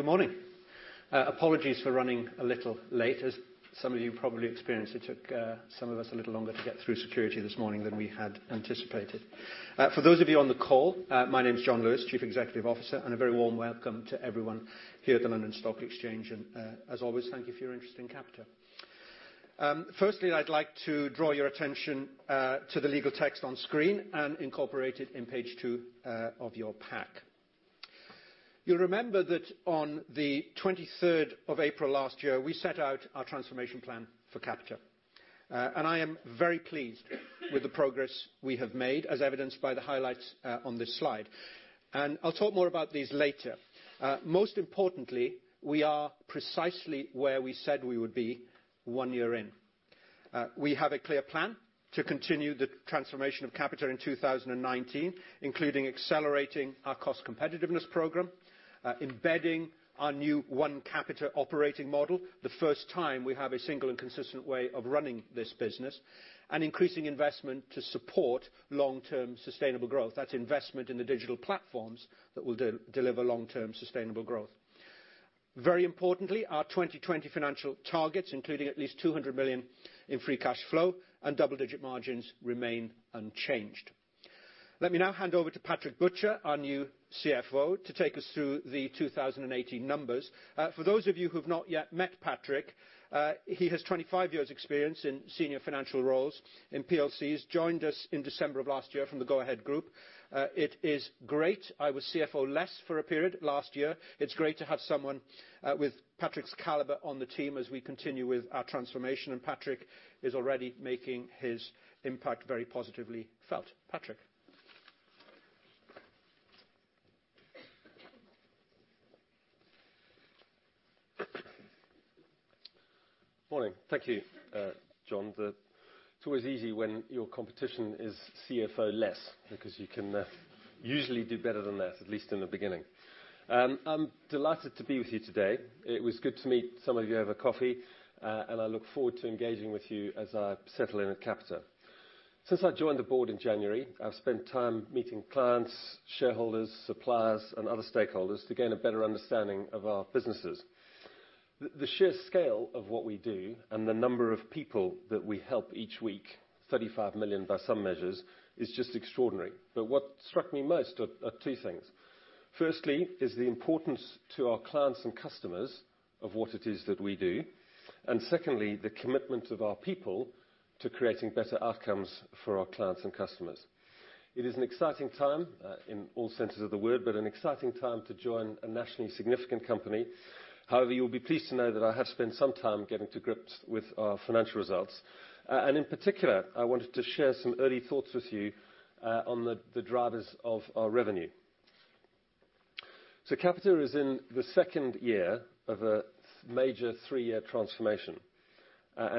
Good morning. Apologies for running a little late. As some of you probably experienced, it took some of us a little longer to get through security this morning than we had anticipated. For those of you on the call, my name's Jon Lewis, Chief Executive Officer. A very warm welcome to everyone here at the London Stock Exchange. As always, thank you for your interest in Capita. Firstly, I'd like to draw your attention to the legal text on screen and incorporated in page two of your pack. You'll remember that on the 23rd of April last year, we set out our transformation plan for Capita. I am very pleased with the progress we have made, as evidenced by the highlights on this slide. I'll talk more about these later. Most importantly, we are precisely where we said we would be one year in. We have a clear plan to continue the transformation of Capita in 2019, including accelerating our cost competitiveness program, embedding our new One Capita operating model, the first time we have a single and consistent way of running this business, and increasing investment to support long-term sustainable growth. That's investment in the digital platforms that will deliver long-term sustainable growth. Very importantly, our 2020 financial targets, including at least 200 million in free cash flow and double-digit margins, remain unchanged. Let me now hand over to Patrick Butcher, our new CFO, to take us through the 2018 numbers. For those of you who have not yet met Patrick, he has 25 years experience in senior financial roles in PLCs. Joined us in December of last year from the Go-Ahead Group. It is great. I was CFO-less for a period last year. It's great to have someone with Patrick's caliber on the team as we continue with our transformation. Patrick is already making his impact very positively felt. Patrick? Morning. Thank you, Jon. It's always easy when your competition is CFO-less because you can usually do better than that, at least in the beginning. I'm delighted to be with you today. It was good to meet some of you over coffee. I look forward to engaging with you as I settle in at Capita. Since I joined the board in January, I've spent time meeting clients, shareholders, suppliers, and other stakeholders to gain a better understanding of our businesses. The sheer scale of what we do and the number of people that we help each week, 35 million by some measures, is just extraordinary. What struck me most are two things. Firstly, is the importance to our clients and customers of what it is that we do. Secondly, the commitment of our people to creating better outcomes for our clients and customers. It is an exciting time, in all senses of the word, but an exciting time to join a nationally significant company. However, you will be pleased to know that I have spent some time getting to grips with our financial results. In particular, I wanted to share some early thoughts with you on the drivers of our revenue. Capita is in the second year of a major three-year transformation.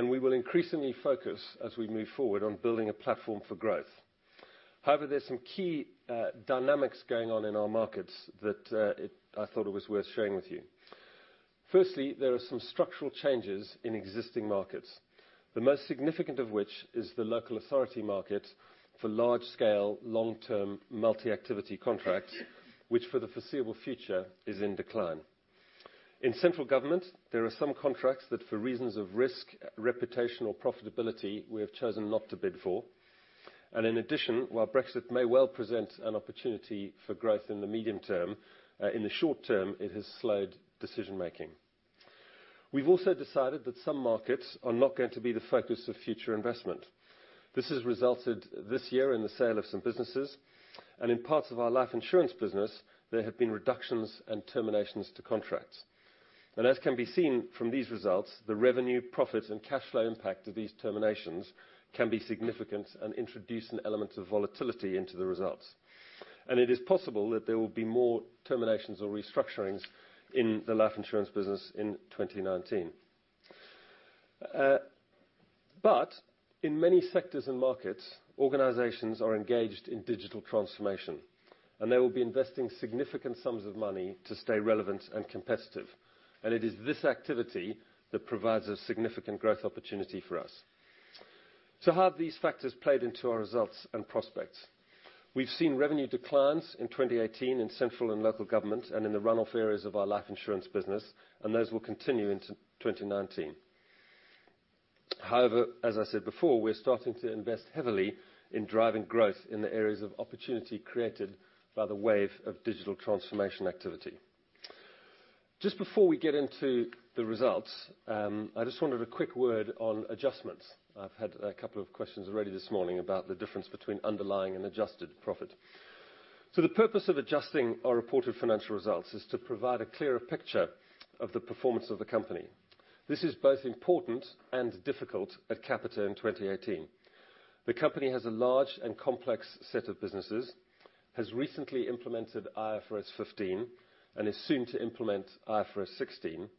We will increasingly focus, as we move forward, on building a platform for growth. However, there is some key dynamics going on in our markets that I thought it was worth sharing with you. Firstly, there are some structural changes in existing markets, the most significant of which is the local authority market for large scale, long-term multi-activity contracts, which for the foreseeable future is in decline. In central government, there are some contracts that, for reasons of risk, reputational profitability, we have chosen not to bid for. In addition, while Brexit may well present an opportunity for growth in the medium term, in the short term, it has slowed decision-making. We've also decided that some markets are not going to be the focus of future investment. This has resulted this year in the sale of some businesses, and in parts of our life insurance business, there have been reductions and terminations to contracts. As can be seen from these results, the revenue, profit, and cash flow impact of these terminations can be significant and introduce an element of volatility into the results. It is possible that there will be more terminations or restructurings in the life insurance business in 2019. In many sectors and markets, organizations are engaged in digital transformation, and they will be investing significant sums of money to stay relevant and competitive. It is this activity that provides a significant growth opportunity for us. How have these factors played into our results and prospects? We've seen revenue declines in 2018 in central and local government and in the run-off areas of our life insurance business, and those will continue into 2019. However, as I said before, we're starting to invest heavily in driving growth in the areas of opportunity created by the wave of digital transformation activity. Just before we get into the results, I just wanted a quick word on adjustments. I've had a couple of questions already this morning about the difference between underlying and adjusted profit. The purpose of adjusting our reported financial results is to provide a clearer picture of the performance of the company. This is both important and difficult at Capita in 2018. The company has a large and complex set of businesses, has recently implemented IFRS 15, and is soon to implement IFRS 16,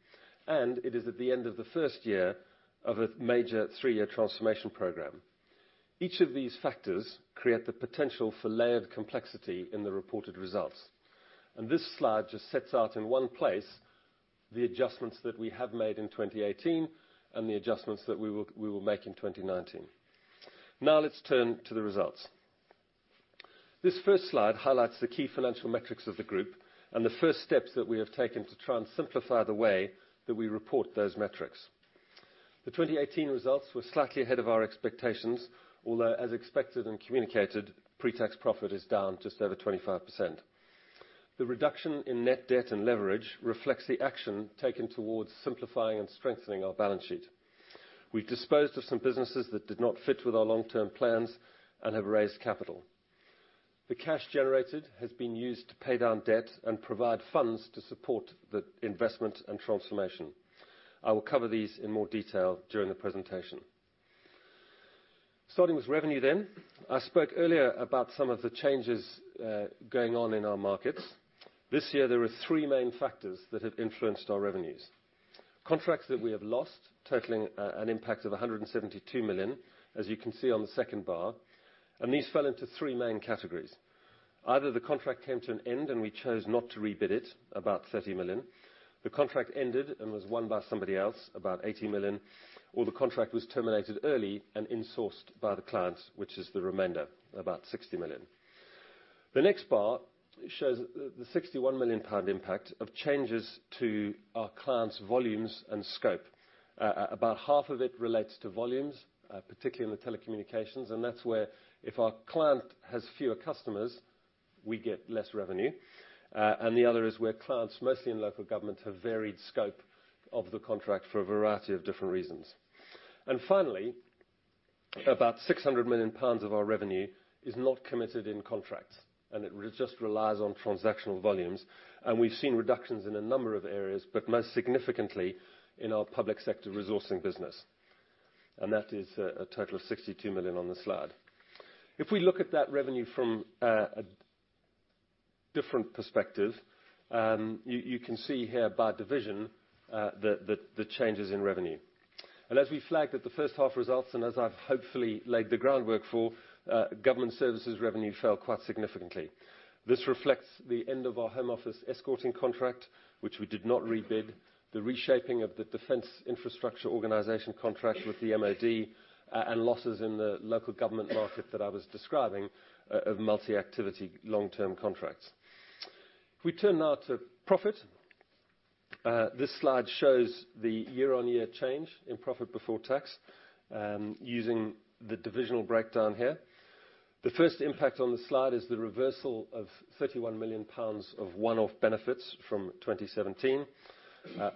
and it is at the end of the first year of a major three-year transformation program. Each of these factors create the potential for layered complexity in the reported results. This slide just sets out in one place the adjustments that we have made in 2018 and the adjustments that we will make in 2019. Now let's turn to the results. This first slide highlights the key financial metrics of the group and the first steps that we have taken to try and simplify the way that we report those metrics. The 2018 results were slightly ahead of our expectations, although as expected and communicated, pre-tax profit is down just over 25%. The reduction in net debt and leverage reflects the action taken towards simplifying and strengthening our balance sheet. We disposed of some businesses that did not fit with our long-term plans and have raised capital. The cash generated has been used to pay down debt and provide funds to support the investment and transformation. I will cover these in more detail during the presentation. Starting with revenue. I spoke earlier about some of the changes going on in our markets. This year, there are three main factors that have influenced our revenues. Contracts that we have lost, totaling an impact of 172 million, as you can see on the second bar. These fell into three main categories. Either the contract came to an end and we chose not to rebid it, about 30 million. The contract ended and was won by somebody else, about 80 million. The contract was terminated early and insourced by the clients, which is the remainder, about 60 million. The next bar shows the 61 million pound impact of changes to our clients' volumes and scope. About half of it relates to volumes, particularly in the telecommunications, and that's where if our client has fewer customers, we get less revenue. The other is where clients, mostly in local government, have varied scope of the contract for a variety of different reasons. Finally, about 600 million pounds of our revenue is not committed in contracts, and it just relies on transactional volumes. We've seen reductions in a number of areas, but most significantly in our public sector resourcing business. That is a total of 62 million on the slide. If we look at that revenue from a different perspective, you can see here by division, the changes in revenue. As we flagged at the H1 results, and as I've hopefully laid the groundwork for, Government Services revenue fell quite significantly. This reflects the end of our home office escorting contract, which we did not rebid, the reshaping of the Defence Infrastructure Organisation contract with the MOD, and losses in the local government market that I was describing of multi-activity long-term contracts. If we turn now to profit. This slide shows the year-on-year change in profit before tax, using the divisional breakdown here. The first impact on the slide is the reversal of 31 million pounds of one-off benefits from 2017.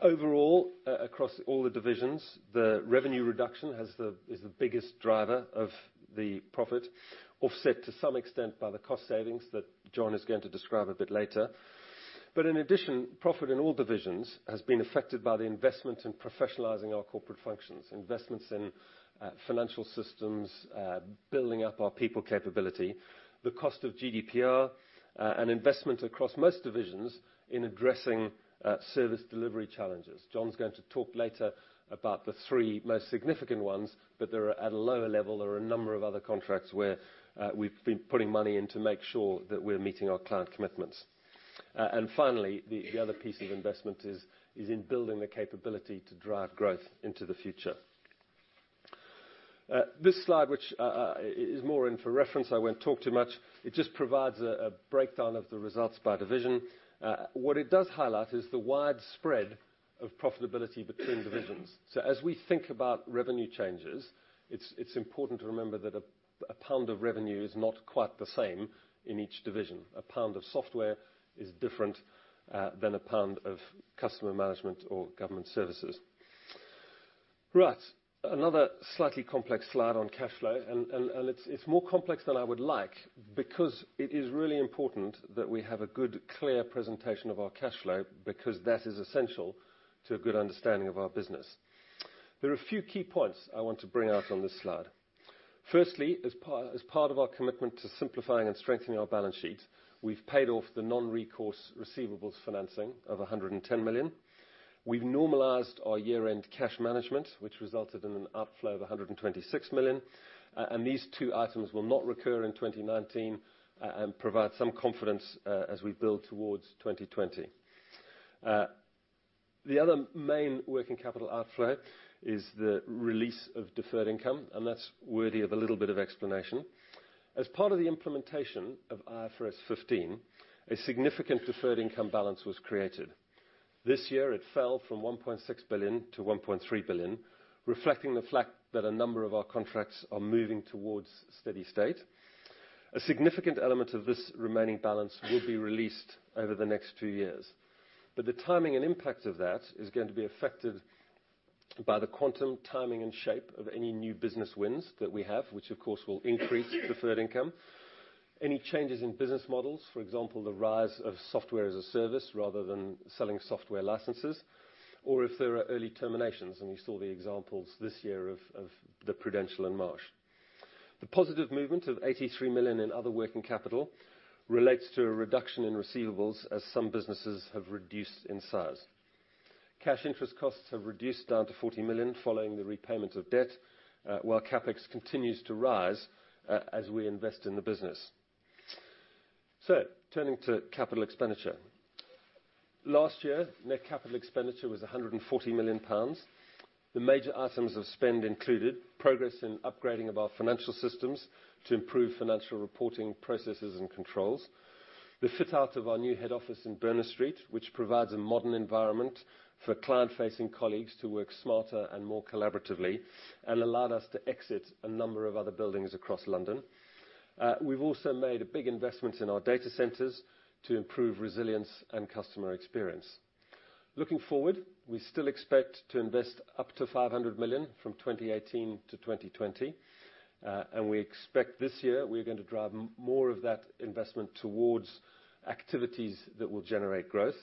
Overall, across all the divisions, the revenue reduction is the biggest driver of the profit, offset to some extent by the cost savings that Jon is going to describe a bit later. In addition, profit in all divisions has been affected by the investment in professionalizing our corporate functions, investments in financial systems, building up our people capability, the cost of GDPR, and investment across most divisions in addressing service delivery challenges. Jon's going to talk later about the three most significant ones, but they're at a lower level. There are a number of other contracts where we've been putting money in to make sure that we're meeting our client commitments. Finally, the other piece of investment is in building the capability to drive growth into the future. This slide, which is more for reference, I won't talk too much, it just provides a breakdown of the results by division. What it does highlight is the wide spread of profitability between divisions. As we think about revenue changes, it's important to remember that a GBP of revenue is not quite the same in each division. A GBP of Software is different than a GBP of Customer Management or Government Services. Right. Another slightly complex slide on cash flow, it's more complex than I would like because it is really important that we have a good, clear presentation of our cash flow, because that is essential to a good understanding of our business. There are a few key points I want to bring out on this slide. Firstly, as part of our commitment to simplifying and strengthening our balance sheet, we've paid off the non-recourse receivables financing of 110 million. We've normalized our year-end cash management, which resulted in an outflow of 126 million. These two items will not recur in 2019, provide some confidence as we build towards 2020. The other main working capital outflow is the release of deferred income, that's worthy of a little bit of explanation. As part of the implementation of IFRS 15, a significant deferred income balance was created. This year, it fell from 1.6 billion to 1.3 billion, reflecting the fact that a number of our contracts are moving towards steady state. A significant element of this remaining balance will be released over the next two years. The timing and impact of that is going to be affected by the quantum timing and shape of any new business wins that we have, which of course will increase deferred income. Any changes in business models, for example, the rise of software as a service rather than selling software licenses, or if there are early terminations, and we saw the examples this year of the Prudential and Marsh. The positive movement of 83 million in other working capital relates to a reduction in receivables as some businesses have reduced in size. Cash interest costs have reduced down to 40 million following the repayment of debt, while CapEx continues to rise as we invest in the business. Turning to capital expenditure. Last year, net capital expenditure was 140 million pounds. The major items of spend included progress in upgrading of our financial systems to improve financial reporting processes and controls. The fit-out of our new head office in Berners Street, which provides a modern environment for client-facing colleagues to work smarter and more collaboratively, allowed us to exit a number of other buildings across London. We've also made big investments in our data centers to improve resilience and customer experience. Looking forward, we still expect to invest up to 500 million from 2018 to 2020. We expect this year we're going to drive more of that investment towards activities that will generate growth.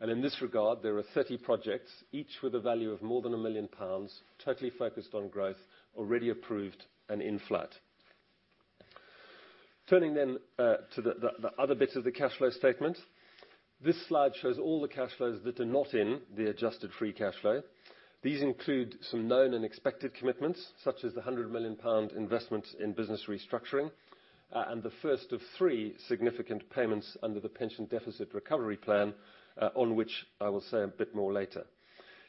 In this regard, there are 30 projects, each with a value of more than 1 million pounds, totally focused on growth, already approved and in flight. Turning to the other bit of the cash flow statement. This slide shows all the cash flows that are not in the adjusted free cash flow. These include some known and expected commitments, such as the 100 million pound investment in business restructuring, and the first of three significant payments under the pension deficit recovery plan, on which I will say a bit more later.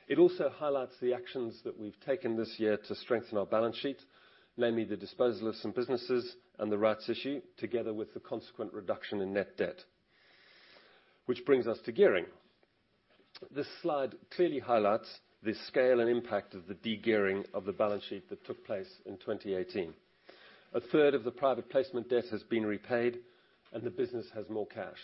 It also highlights the actions that we've taken this year to strengthen our balance sheet, namely the disposal of some businesses and the rights issue, together with the consequent reduction in net debt. Which brings us to gearing. This slide clearly highlights the scale and impact of the de-gearing of the balance sheet that took place in 2018. A third of the private placement debt has been repaid and the business has more cash.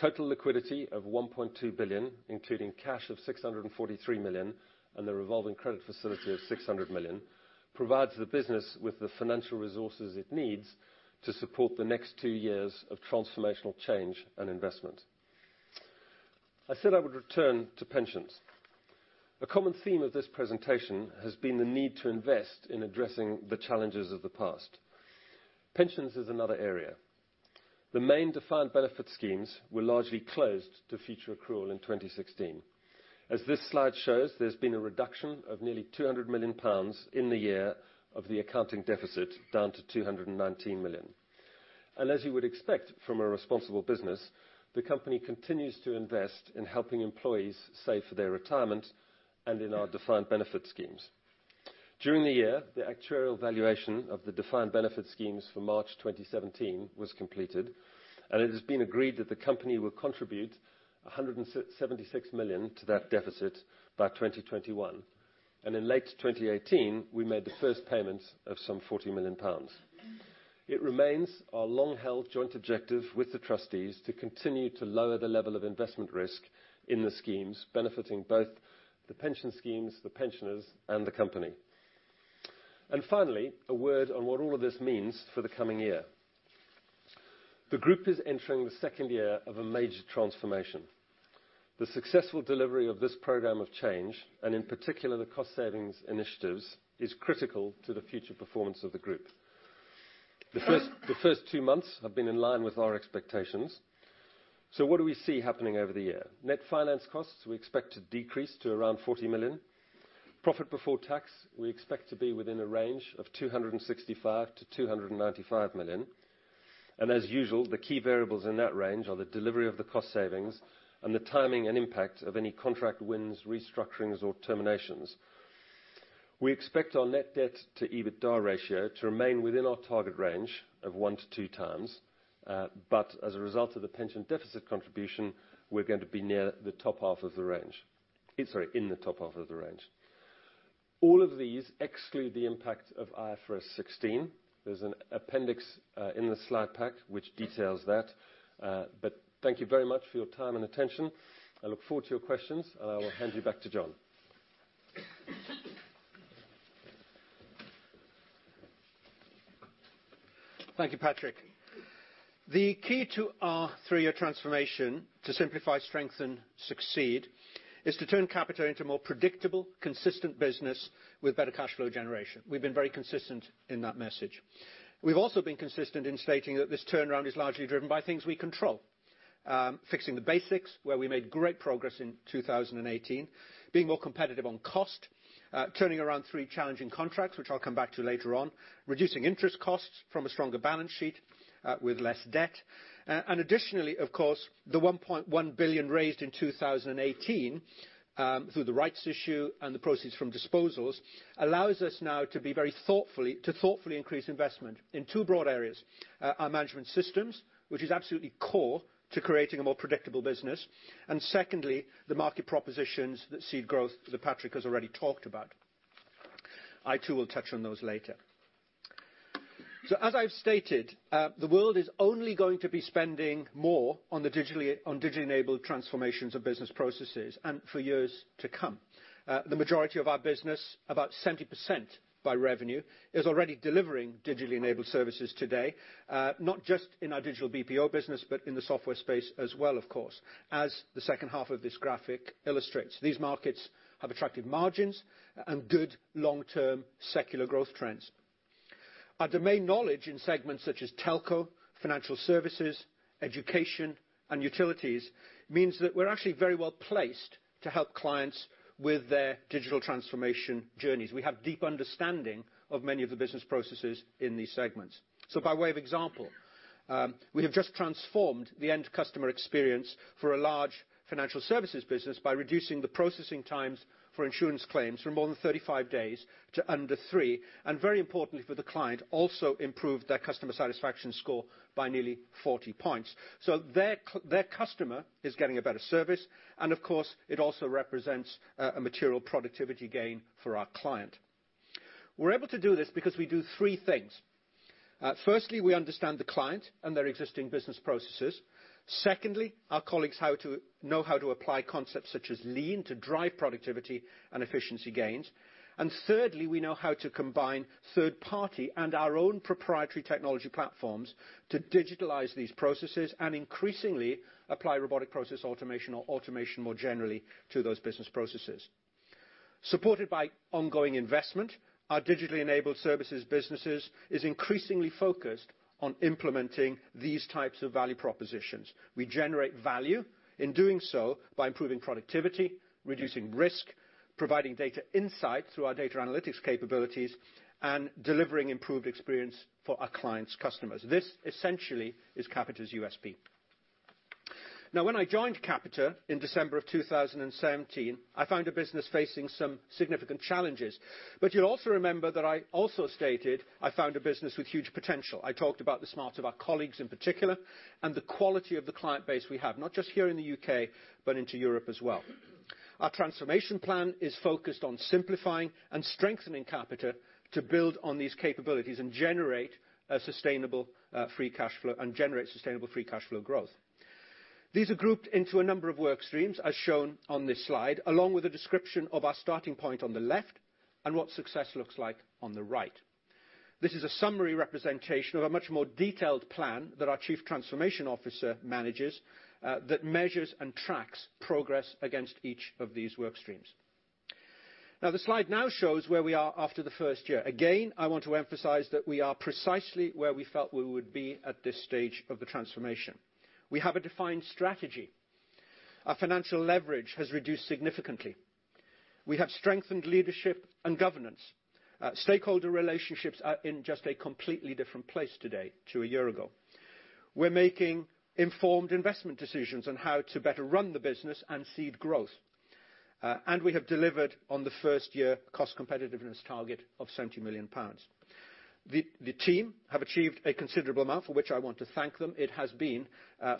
Total liquidity of 1.2 billion, including cash of 643 million and the revolving credit facility of 600 million, provides the business with the financial resources it needs to support the next two years of transformational change and investment. I said I would return to pensions. A common theme of this presentation has been the need to invest in addressing the challenges of the past. Pensions is another area. The main defined benefit schemes were largely closed to future accrual in 2016. As this slide shows, there's been a reduction of nearly 200 million pounds in the year of the accounting deficit down to 219 million. As you would expect from a responsible business, the company continues to invest in helping employees save for their retirement and in our defined benefit schemes. During the year, the actuarial valuation of the defined benefit schemes for March 2017 was completed, and it has been agreed that the company will contribute 176 million to that deficit by 2021. In late 2018, we made the first payment of some 40 million pounds. It remains our long-held joint objective with the trustees to continue to lower the level of investment risk in the schemes, benefiting both the pension schemes, the pensioners, and the company. Finally, a word on what all of this means for the coming year. The group is entering the second year of a major transformation. The successful delivery of this program of change, and in particular the cost savings initiatives, is critical to the future performance of the group. The first two months have been in line with our expectations. What do we see happening over the year? Net finance costs we expect to decrease to around 40 million. Profit before tax we expect to be within a range of 265 million-295 million. As usual, the key variables in that range are the delivery of the cost savings and the timing and impact of any contract wins, restructurings, or terminations. We expect our net debt to EBITDA ratio to remain within our target range of one to 2x. As a result of the pension deficit contribution, we're going to be in the top half of the range. All of these exclude the impact of IFRS 16. There's an appendix in the slide pack which details that. Thank you very much for your time and attention. I look forward to your questions, and I will hand you back to Jon. Thank you, Patrick. The key to our three-year transformation to simplify, strengthen, succeed, is to turn Capita into a more predictable, consistent business with better cash flow generation. We've been very consistent in that message. We've also been consistent in stating that this turnaround is largely driven by things we control. Fixing the basics, where we made great progress in 2018. Being more competitive on cost. Turning around three challenging contracts, which I'll come back to later on. Reducing interest costs from a stronger balance sheet with less debt. Additionally, of course, the 1.1 billion raised in 2018 through the rights issue and the proceeds from disposals allows us now to thoughtfully increase investment in two broad areas. Our management systems, which is absolutely core to creating a more predictable business. Secondly, the market propositions that seed growth that Patrick has already talked about. I too will touch on those later. As I've stated, the world is only going to be spending more on digitally enabled transformations of business processes, and for years to come. The majority of our business, about 70% by revenue, is already delivering digitally enabled services today. Not just in our digital BPO business, but in the software space as well, of course. As the H2 of this graphic illustrates. These markets have attractive margins and good long-term secular growth trends. Our domain knowledge in segments such as telco, financial services, education, and utilities means that we're actually very well placed to help clients with their digital transformation journeys. We have deep understanding of many of the business processes in these segments. By way of example, we have just transformed the end customer experience for a large financial services business by reducing the processing times for insurance claims from more than 35 days to under three, and very importantly for the client, also improved their customer satisfaction score by nearly 40 points. Their customer is getting a better service, and of course, it also represents a material productivity gain for our client. We're able to do this because we do three things. Firstly, we understand the client and their existing business processes. Secondly, our colleagues know how to apply concepts such as lean to drive productivity and efficiency gains. Thirdly, we know how to combine third-party and our own proprietary technology platforms to digitalize these processes and increasingly apply robotic process automation or automation more generally to those business processes. Supported by ongoing investment, our digitally enabled services business is increasingly focused on implementing these types of value propositions. We generate value in doing so by improving productivity, reducing risk, providing data insight through our data analytics capabilities, and delivering improved experience for our clients' customers. This essentially is Capita's USP. When I joined Capita in December of 2017, I found a business facing some significant challenges. You'll also remember that I also stated I found a business with huge potential. I talked about the smarts of our colleagues in particular, and the quality of the client base we have, not just here in the U.K., but into Europe as well. Our transformation plan is focused on simplifying and strengthening Capita to build on these capabilities and generate sustainable free cash flow growth. These are grouped into a number of work streams, as shown on this slide, along with a description of our starting point on the left, and what success looks like on the right. This is a summary representation of a much more detailed plan that our chief transformation officer manages, that measures and tracks progress against each of these work streams. The slide now shows where we are after the first year. Again, I want to emphasize that we are precisely where we felt we would be at this stage of the transformation. We have a defined strategy. Our financial leverage has reduced significantly. We have strengthened leadership and governance. Stakeholder relationships are in just a completely different place today to a year ago. We're making informed investment decisions on how to better run the business and seed growth. We have delivered on the first year cost competitiveness target of 70 million pounds. The team have achieved a considerable amount for which I want to thank them. It has been,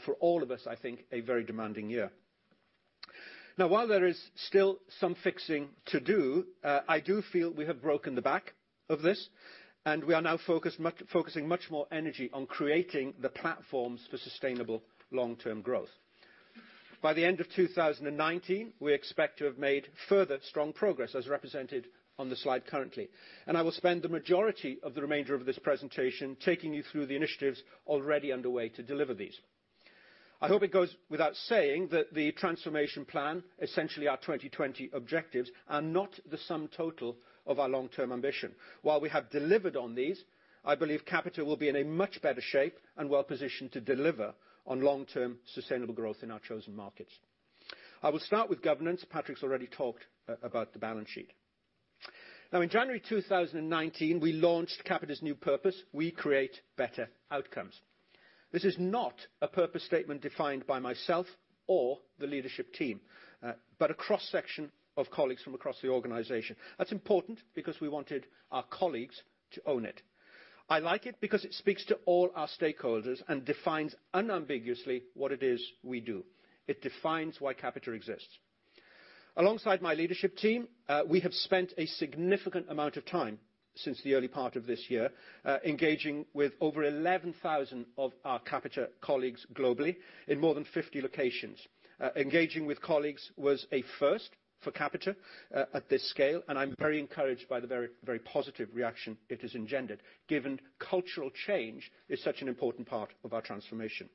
for all of us, I think, a very demanding year. While there is still some fixing to do, I do feel we have broken the back of this, and we are now focusing much more energy on creating the platforms for sustainable long-term growth. By the end of 2019, we expect to have made further strong progress, as represented on the slide currently. I will spend the majority of the remainder of this presentation taking you through the initiatives already underway to deliver these. I hope it goes without saying that the transformation plan, essentially our 2020 objectives, are not the sum total of our long-term ambition. While we have delivered on these, I believe Capita will be in a much better shape and well-positioned to deliver on long-term sustainable growth in our chosen markets. I will start with governance. Patrick's already talked about the balance sheet. In January 2019, we launched Capita's new purpose, We Create Better Outcomes. This is not a purpose statement defined by myself or the leadership team, but a cross-section of colleagues from across the organization. That's important because we wanted our colleagues to own it. I like it because it speaks to all our stakeholders and defines unambiguously what it is we do. It defines why Capita exists. Alongside my leadership team, we have spent a significant amount of time since the early part of this year engaging with over 11,000 of our Capita colleagues globally in more than 50 locations. Engaging with colleagues was a first for Capita at this scale, I'm very encouraged by the very positive reaction it has engendered, given cultural change is such an important part of our transformation.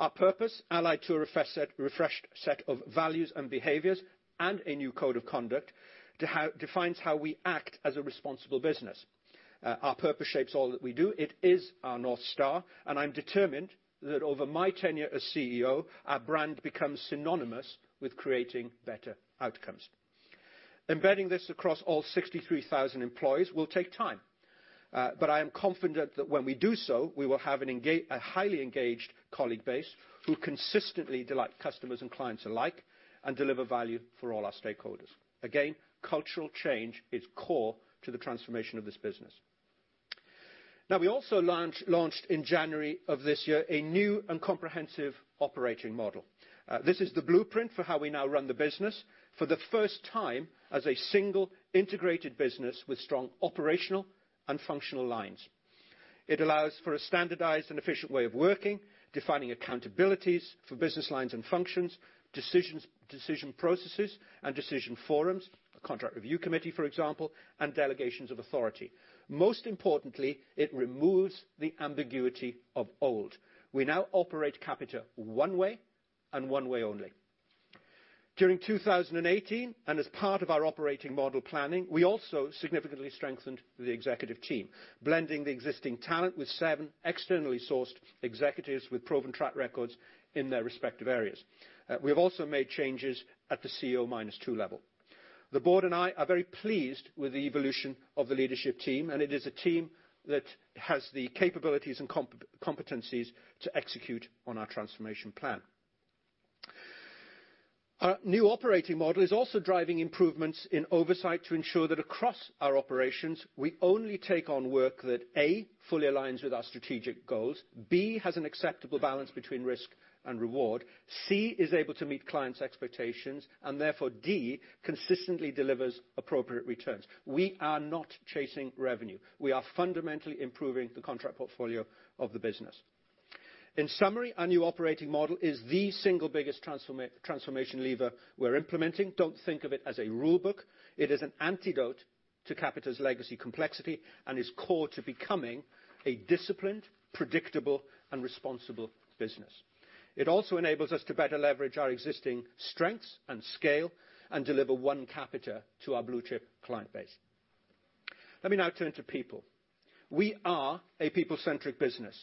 Our purpose, allied to a refreshed set of values and behaviors and a new code of conduct, defines how we act as a responsible business. Our purpose shapes all that we do. It is our North Star, I'm determined that over my tenure as CEO, our brand becomes synonymous with creating better outcomes. Embedding this across all 63,000 employees will take time. I am confident that when we do so, we will have a highly engaged colleague base who consistently delight customers and clients alike, and deliver value for all our stakeholders. Again, cultural change is core to the transformation of this business. We also launched in January of this year a new and comprehensive operating model. This is the blueprint for how we now run the business for the first time as a single integrated business with strong operational and functional lines. It allows for a standardized and efficient way of working, defining accountabilities for business lines and functions, decision processes and decision forums, a contract review committee, for example, and delegations of authority. Most importantly, it removes the ambiguity of old. We now operate Capita one way and one way only. During 2018, as part of our operating model planning, we also significantly strengthened the executive team, blending the existing talent with seven externally sourced executives with proven track records in their respective areas. We have also made changes at the CO-2 level. The board and I are very pleased with the evolution of the leadership team. It is a team that has the capabilities and competencies to execute on our transformation plan. Our new operating model is also driving improvements in oversight to ensure that across our operations, we only take on work that, A, fully aligns with our strategic goals, B, has an acceptable balance between risk and reward, C, is able to meet clients' expectations, and therefore, D, consistently delivers appropriate returns. We are not chasing revenue. We are fundamentally improving the contract portfolio of the business. In summary, our new operating model is the single biggest transformation lever we're implementing. Don't think of it as a rule book. It is an antidote to Capita's legacy complexity, and is core to becoming a disciplined, predictable, and responsible business. It also enables us to better leverage our existing strengths and scale, deliver One Capita to our blue-chip client base. Let me now turn to people. We are a people-centric business.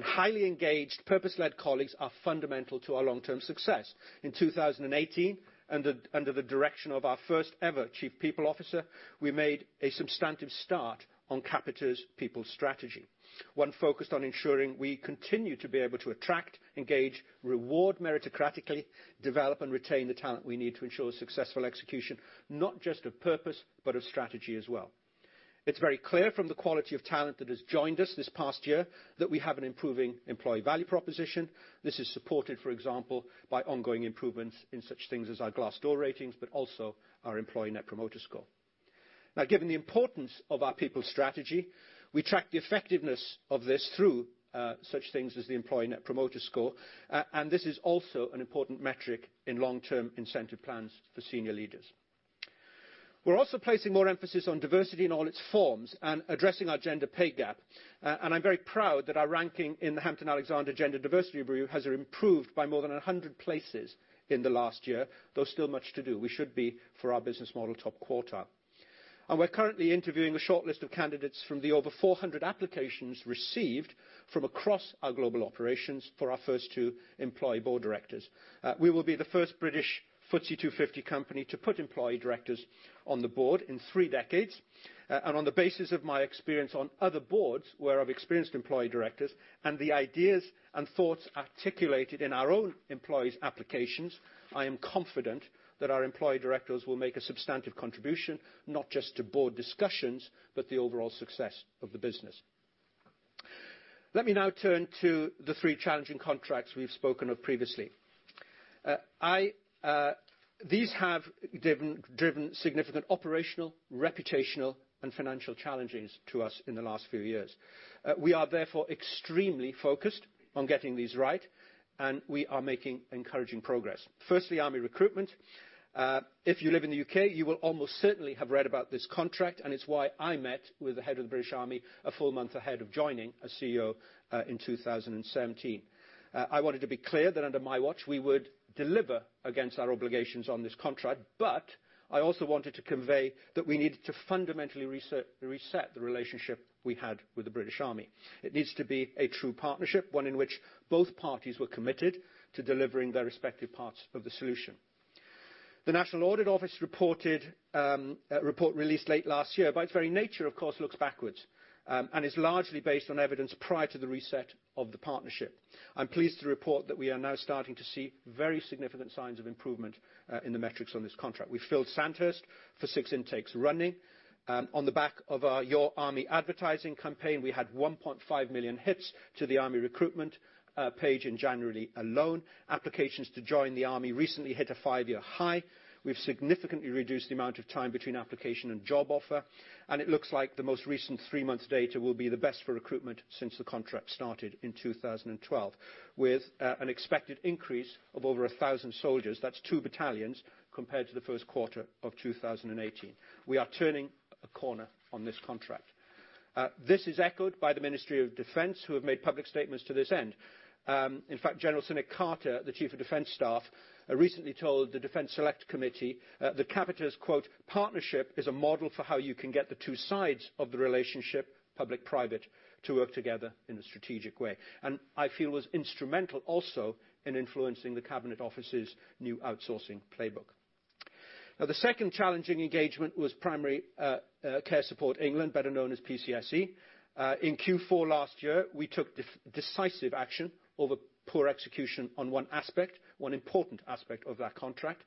Highly-engaged, purpose-led colleagues are fundamental to our long-term success. In 2018, under the direction of our first ever chief people officer, we made a substantive start on Capita's people strategy, one focused on ensuring we continue to be able to attract, engage, reward meritocratically, develop, and retain the talent we need to ensure successful execution, not just of purpose, but of strategy as well. It's very clear from the quality of talent that has joined us this past year that we have an improving employee value proposition. This is supported, for example, by ongoing improvements in such things as our Glassdoor ratings, but also our employee net promoter score. Given the importance of our people strategy, we track the effectiveness of this through such things as the employee net promoter score. This is also an important metric in long-term incentive plans for senior leaders. We're also placing more emphasis on diversity in all its forms and addressing our gender pay gap. I'm very proud that our ranking in the Hampton-Alexander Review gender diversity has improved by more than 100 places in the last year. Though still much to do. We should be, for our business model, top quarter. We're currently interviewing a shortlist of candidates from the over 400 applications received from across our global operations for our first two employee board directors. We will be the first British FTSE 250 company to put employee directors on the board in three decades. On the basis of my experience on other boards where I've experienced employee directors, and the ideas and thoughts articulated in our own employees' applications, I am confident that our employee directors will make a substantive contribution, not just to board discussions, but the overall success of the business. Let me now turn to the three challenging contracts we've spoken of previously. These have driven significant operational, reputational, and financial challenges to us in the last few years. We are therefore extremely focused on getting these right, and we are making encouraging progress. Firstly, Army Recruitment. If you live in the U.K., you will almost certainly have read about this contract, and it's why I met with the head of the British Army a full month ahead of joining as CEO, in 2017. I wanted to be clear that under my watch, we would deliver against our obligations on this contract. I also wanted to convey that we needed to fundamentally reset the relationship we had with the British Army. It needs to be a true partnership, one in which both parties were committed to delivering their respective parts of the solution. The National Audit Office report released late last year, by its very nature, of course, looks backwards, and is largely based on evidence prior to the reset of the partnership. I'm pleased to report that we are now starting to see very significant signs of improvement in the metrics on this contract. We've filled Sandhurst for six intakes running. On the back of our Your Army advertising campaign, we had 1.5 million hits to the Army Recruitment page in January alone. Applications to join the Army recently hit a five-year high. We've significantly reduced the amount of time between application and job offer. It looks like the most recent three months data will be the best for recruitment since the contract started in 2012, with an expected increase of over 1,000 soldiers. That's two battalions, compared to the Q1 of 2018. We are turning a corner on this contract. This is echoed by the Ministry of Defence, who have made public statements to this end. In fact, General Sir Nick Carter, the Chief of Defence Staff, recently told the Defence Select Committee that Capita's, quote, "Partnership is a model for how you can get the two sides of the relationship, public-private, to work together in a strategic way." I feel was instrumental also in influencing the Cabinet Office's new Outsourcing Playbook. The second challenging engagement was Primary Care Support England, better known as PCSE. In Q4 last year, we took decisive action over poor execution on one aspect, one important aspect of that contract.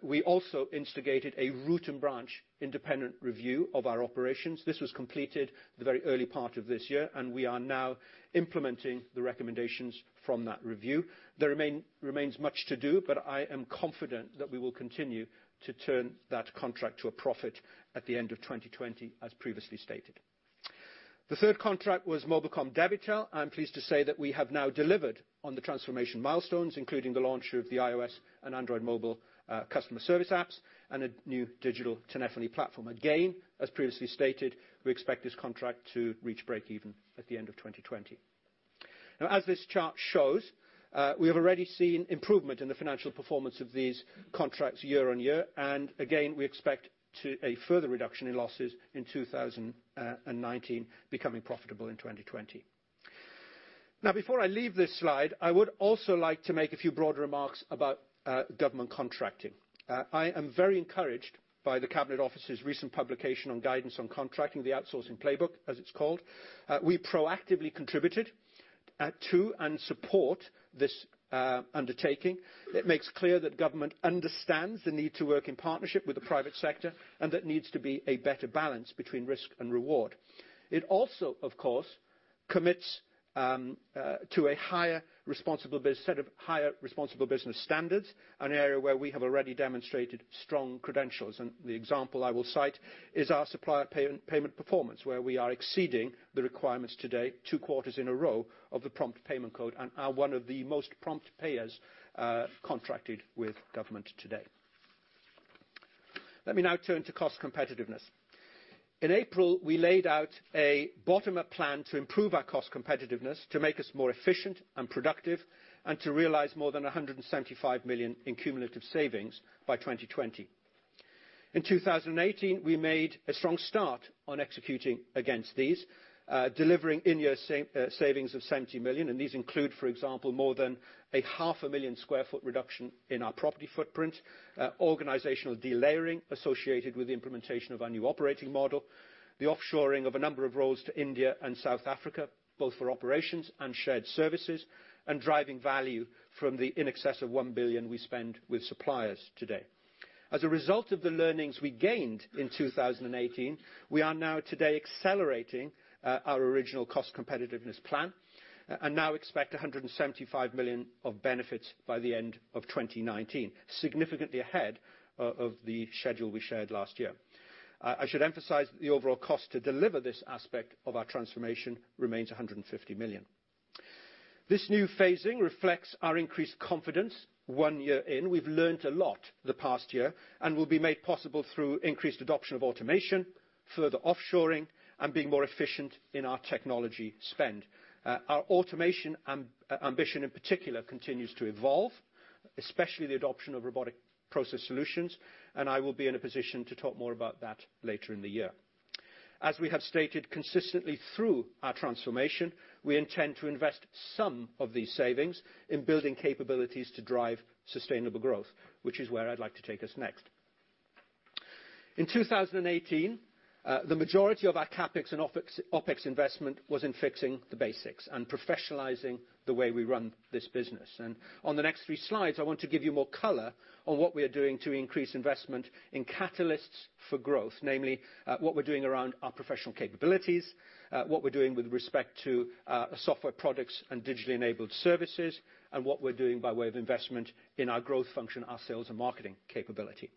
We also instigated a root-and-branch independent review of our operations. This was completed the very early part of this year, and we are now implementing the recommendations from that review. There remains much to do, but I am confident that we will continue to turn that contract to a profit at the end of 2020, as previously stated. The third contract was mobilcom-debitel. I'm pleased to say that we have now delivered on the transformation milestones, including the launch of the iOS and Android mobile customer service apps and a new digital telephony platform. Again, as previously stated, we expect this contract to reach break even at the end of 2020. As this chart shows, we have already seen improvement in the financial performance of these contracts year-over-year. Again, we expect a further reduction in losses in 2019, becoming profitable in 2020. Before I leave this slide, I would also like to make a few broad remarks about government contracting. I am very encouraged by the Cabinet Office's recent publication on guidance on contracting, "The Outsourcing Playbook," as it's called. We proactively contributed to and support this undertaking. It makes clear that government understands the need to work in partnership with the private sector and that needs to be a better balance between risk and reward. It also, of course, commits to a set of higher responsible business standards, an area where we have already demonstrated strong credentials. The example I will cite is our supplier payment performance, where we are exceeding the requirements today, two quarters in a row, of the Prompt Payment Code, and are one of the most prompt payers contracted with government today. Let me now turn to cost competitiveness. In April, we laid out a bottom-up plan to improve our cost competitiveness, to make us more efficient and productive, and to realize more than 175 million in cumulative savings by 2020. In 2018, we made a strong start on executing against these, delivering in-year savings of 70 million. These include, for example, more than a 500,000 sq ft reduction in our property footprint, organizational delayering associated with the implementation of our new operating model, the offshoring of a number of roles to India and South Africa, both for operations and shared services, and driving value from the in excess of 1 billion we spend with suppliers today. As a result of the learnings we gained in 2018, we are now today accelerating our original cost competitiveness plan and now expect 175 million of benefits by the end of 2019, significantly ahead of the schedule we shared last year. I should emphasize that the overall cost to deliver this aspect of our transformation remains 150 million. This new phasing reflects our increased confidence one year in. We've learned a lot the past year and will be made possible through increased adoption of automation, further offshoring, and being more efficient in our technology spend. Our automation ambition, in particular, continues to evolve, especially the adoption of robotic process solutions, and I will be in a position to talk more about that later in the year. As we have stated consistently through our transformation, we intend to invest some of these savings in building capabilities to drive sustainable growth, which is where I'd like to take us next. In 2018, the majority of our CapEx and OpEx investment was in fixing the basics and professionalizing the way we run this business. On the next three slides, I want to give you more color on what we are doing to increase investment in catalysts for growth, namely, what we are doing around our professional capabilities, what we are doing with respect to software products and digitally enabled services, and what we are doing by way of investment in our growth function, our sales and marketing capability.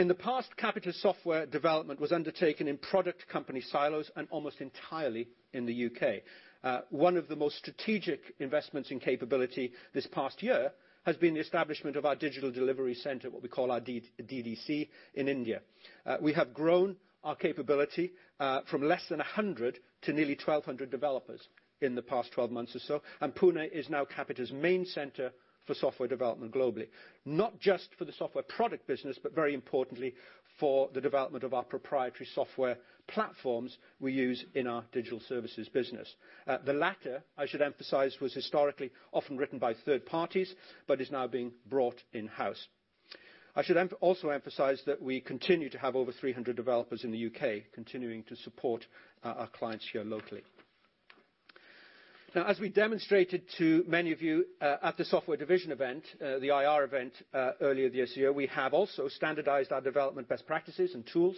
In the past, Capita's software development was undertaken in product company silos and almost entirely in the U.K. One of the most strategic investments in capability this past year has been the establishment of our digital delivery center, what we call our DDC, in India. We have grown our capability from less than 100 to nearly 1,200 developers in the past 12 months or so. Pune is now Capita's main center for software development globally, not just for the Software Division business, but very importantly, for the development of our proprietary software platforms we use in our digital services business. The latter, I should emphasize, was historically often written by third parties but is now being brought in-house. I should also emphasize that we continue to have over 300 developers in the U.K. continuing to support our clients here locally. As we demonstrated to many of you at the Software Division event, the IR event earlier this year, we have also standardized our development best practices and tools.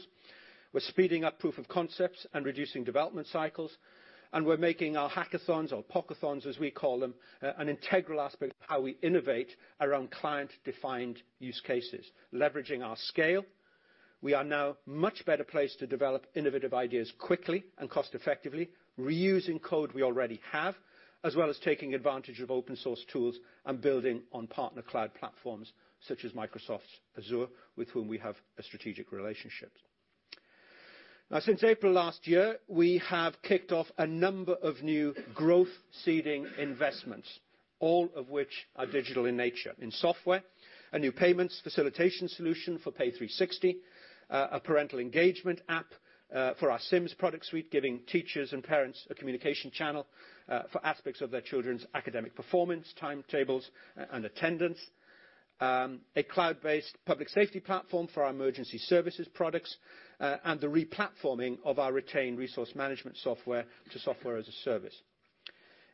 We are speeding up proof of concepts and reducing development cycles, and we are making our hackathons or PoCathons, as we call them, an integral aspect of how we innovate around client-defined use cases. Leveraging our scale, we are now much better placed to develop innovative ideas quickly and cost effectively, reusing code we already have, as well as taking advantage of open source tools and building on partner cloud platforms such as Microsoft's Azure, with whom we have a strategic relationship. Since April last year, we have kicked off a number of new growth seeding investments, all of which are digital in nature. In software, a new payments facilitation solution for Pay360, a parental engagement app for our SIMS product suite, giving teachers and parents a communication channel for aspects of their children's academic performance, timetables, and attendance. A cloud-based public safety platform for our emergency services products, and the replatforming of our retained resource management software to software as a service.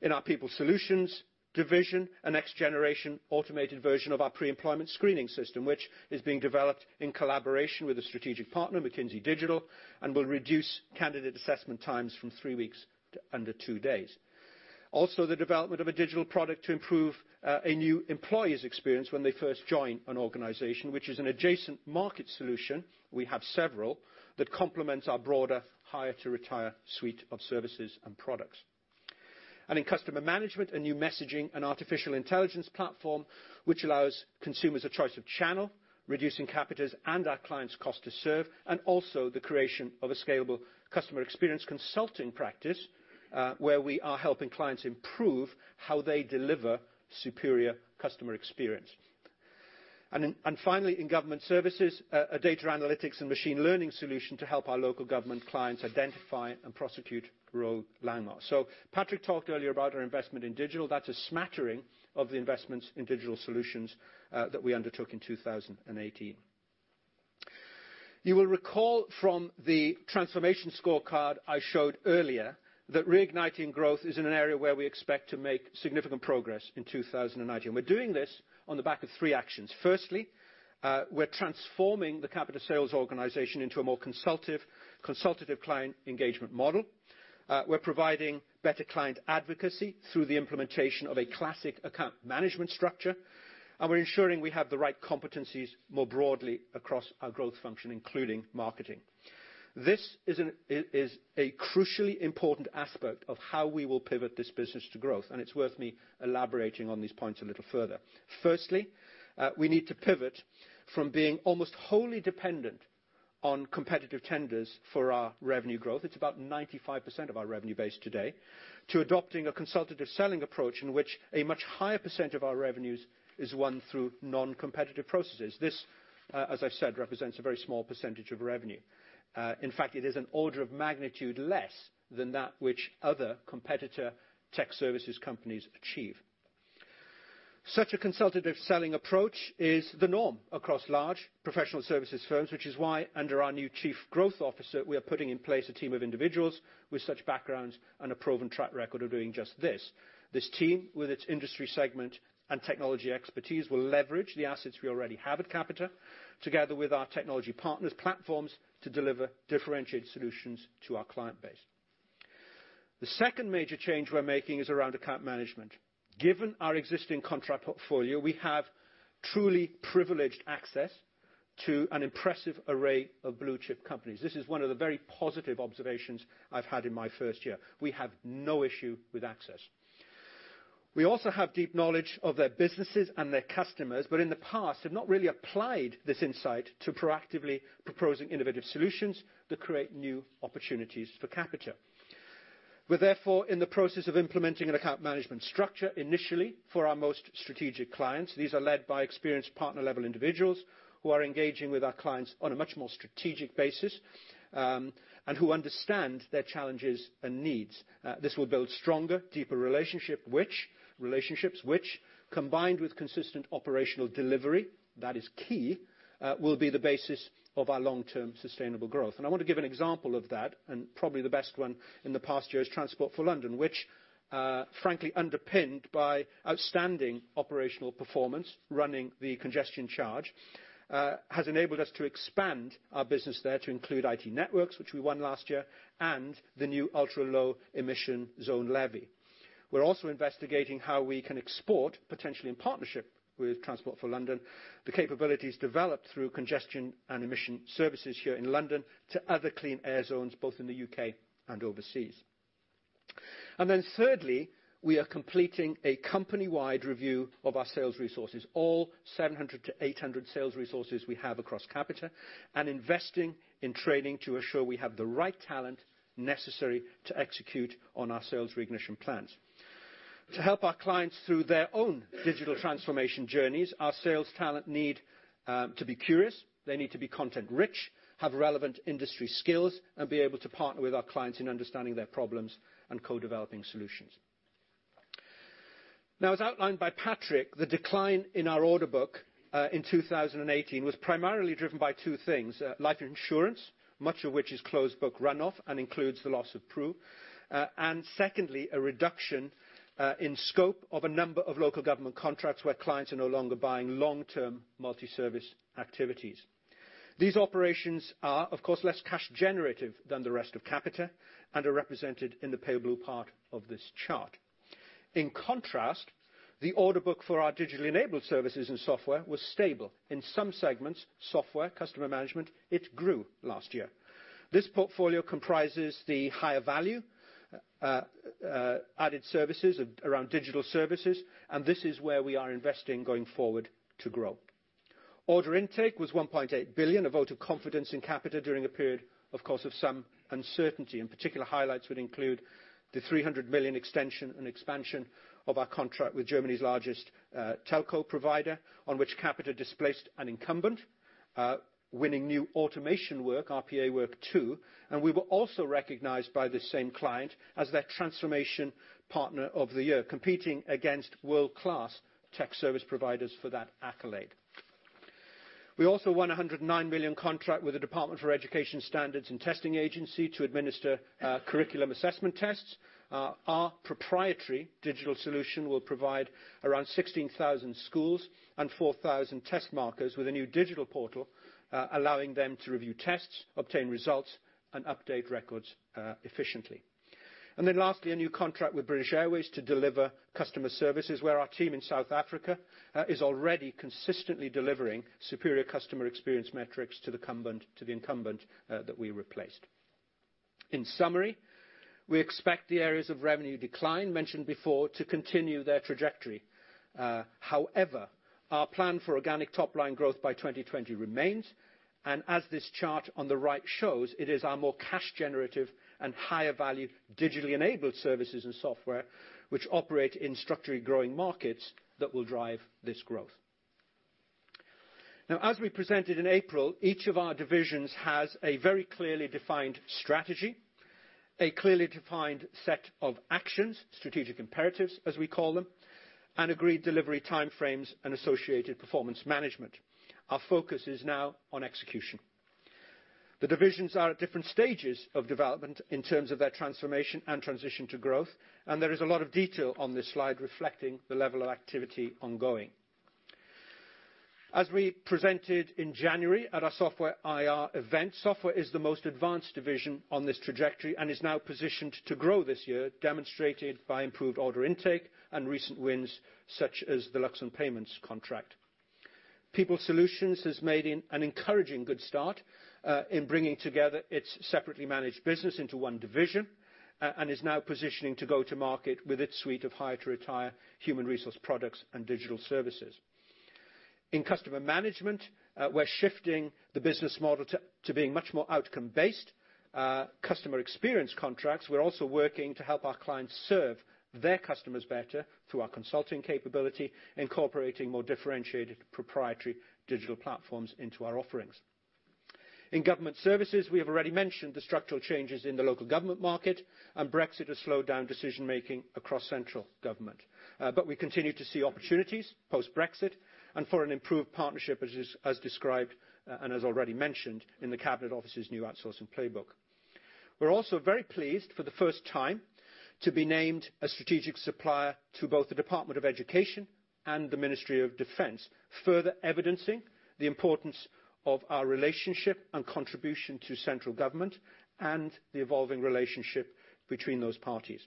In our People Solutions division, a next generation automated version of our pre-employment screening system, which is being developed in collaboration with a strategic partner, McKinsey Digital, and will reduce candidate assessment times from three weeks to under two days. Also, the development of a digital product to improve a new employee's experience when they first join an organization, which is an adjacent market solution, we have several, that complements our broader hire to retire suite of services and products. In Customer Management, a new messaging and artificial intelligence platform, which allows consumers a choice of channel, reducing Capita's and our clients' cost to serve, and also the creation of a scalable customer experience consulting practice, where we are helping clients improve how they deliver superior customer experience. Finally, in Government Services, a data analytics and machine learning solution to help our local government clients identify and prosecute rogue landlords. Patrick talked earlier about our investment in digital. That's a smattering of the investments in digital solutions that we undertook in 2018. You will recall from the transformation scorecard I showed earlier that reigniting growth is in an area where we expect to make significant progress in 2019. We're doing this on the back of three actions. Firstly, we're transforming the Capita sales organization into a more consultative client engagement model. We're providing better client advocacy through the implementation of a classic account management structure. We're ensuring we have the right competencies more broadly across our growth function, including marketing. This is a crucially important aspect of how we will pivot this business to growth. It's worth me elaborating on these points a little further. Firstly, we need to pivot from being almost wholly dependent on competitive tenders for our revenue growth, it's about 95% of our revenue base today, to adopting a consultative selling approach in which a much higher percent of our revenues is won through non-competitive processes. This, as I've said, represents a very small percentage of revenue. In fact, it is an order of magnitude less than that which other competitor tech services companies achieve. Such a consultative selling approach is the norm across large professional services firms, which is why under our new chief growth officer, we are putting in place a team of individuals with such backgrounds and a proven track record of doing just this. This team, with its industry segment and technology expertise, will leverage the assets we already have at Capita, together with our technology partners platforms, to deliver differentiated solutions to our client base. The second major change we're making is around account management. Given our existing contract portfolio, we have truly privileged access to an impressive array of blue-chip companies. This is one of the very positive observations I've had in my first year. We have no issue with access. We also have deep knowledge of their businesses and their customers, in the past have not really applied this insight to proactively proposing innovative solutions that create new opportunities for Capita. We're therefore in the process of implementing an account management structure, initially for our most strategic clients. These are led by experienced partner-level individuals who are engaging with our clients on a much more strategic basis, who understand their challenges and needs. This will build stronger, deeper relationships which, combined with consistent operational delivery, that is key, will be the basis of our long-term sustainable growth. I want to give an example of that, and probably the best one in the past year is Transport for London, which, frankly underpinned by outstanding operational performance, running the congestion charge, has enabled us to expand our business there to include IT & Networks, which we won last year, and the new ultra-low emission zone levy. We're also investigating how we can export, potentially in partnership with Transport for London, the capabilities developed through congestion and emission services here in London to other clean air zones, both in the U.K. and overseas. Thirdly, we are completing a company-wide review of our sales resources, all 700 to 800 sales resources we have across Capita, and investing in training to assure we have the right talent necessary to execute on our sales reignition plans. To help our clients through their own digital transformation journeys, our sales talent need to be curious, they need to be content rich, have relevant industry skills, and be able to partner with our clients in understanding their problems and co-developing solutions. As outlined by Patrick, the decline in our order book in 2018 was primarily driven by two things, life insurance, much of which is close-book run-off and includes the loss of Pru, and secondly, a reduction in scope of a number of local government contracts where clients are no longer buying long-term multi-service activities. These operations are, of course, less cash generative than the rest of Capita and are represented in the pale blue part of this chart. In contrast, the order book for our digitally enabled services and software was stable. In some segments, software, Customer Management, it grew last year. This portfolio comprises the higher value added services around digital services, this is where we are investing going forward to grow. Order intake was 1.8 billion, a vote of confidence in Capita during a period, of course, of some uncertainty. In particular, highlights would include the 300 million extension and expansion of our contract with Germany's largest telco provider, on which Capita displaced an incumbent, winning new automation work, RPA work, too. We were also recognized by the same client as their transformation partner of the year, competing against world-class tech service providers for that accolade. We also won 109 million contract with the Department for Education Standards and Testing Agency to administer curriculum assessment tests. Our proprietary digital solution will provide around 16,000 schools and 4,000 test markers with a new digital portal allowing them to review tests, obtain results, and update records efficiently. Lastly, a new contract with British Airways to deliver customer services where our team in South Africa is already consistently delivering superior customer experience metrics to the incumbent that we replaced. In summary, we expect the areas of revenue decline mentioned before to continue their trajectory. However, our plan for organic top line growth by 2020 remains, as this chart on the right shows, it is our more cash generative and higher value digitally enabled services and software which operate in structurally growing markets that will drive this growth. As we presented in April, each of our divisions has a very clearly defined strategy, a clearly defined set of actions, strategic imperatives, as we call them, and agreed delivery time frames and associated performance management. Our focus is now on execution. The divisions are at different stages of development in terms of their transformation and transition to growth, and there is a lot of detail on this slide reflecting the level of activity ongoing. As we presented in January at our Software IR event, Software is the most advanced division on this trajectory and is now positioned to grow this year, demonstrated by improved order intake and recent wins such as the Luxon Payments contract. People Solutions has made an encouraging good start in bringing together its separately managed business into one division, and is now positioning to go to market with its suite of hire-to-retire human resource products and digital services. In Customer Management, we're shifting the business model to being much more outcome-based. Customer experience contracts, we're also working to help our clients serve their customers better through our consulting capability, incorporating more differentiated proprietary digital platforms into our offerings. In Government Services, we have already mentioned the structural changes in the local government market, and Brexit has slowed down decision-making across central government. We continue to see opportunities post-Brexit, and for an improved partnership, as described and as already mentioned in the Cabinet Office's new Outsourcing Playbook. We're also very pleased, for the first time, to be named a strategic supplier to both the Department for Education and the Ministry of Defence, further evidencing the importance of our relationship and contribution to central government and the evolving relationship between those parties.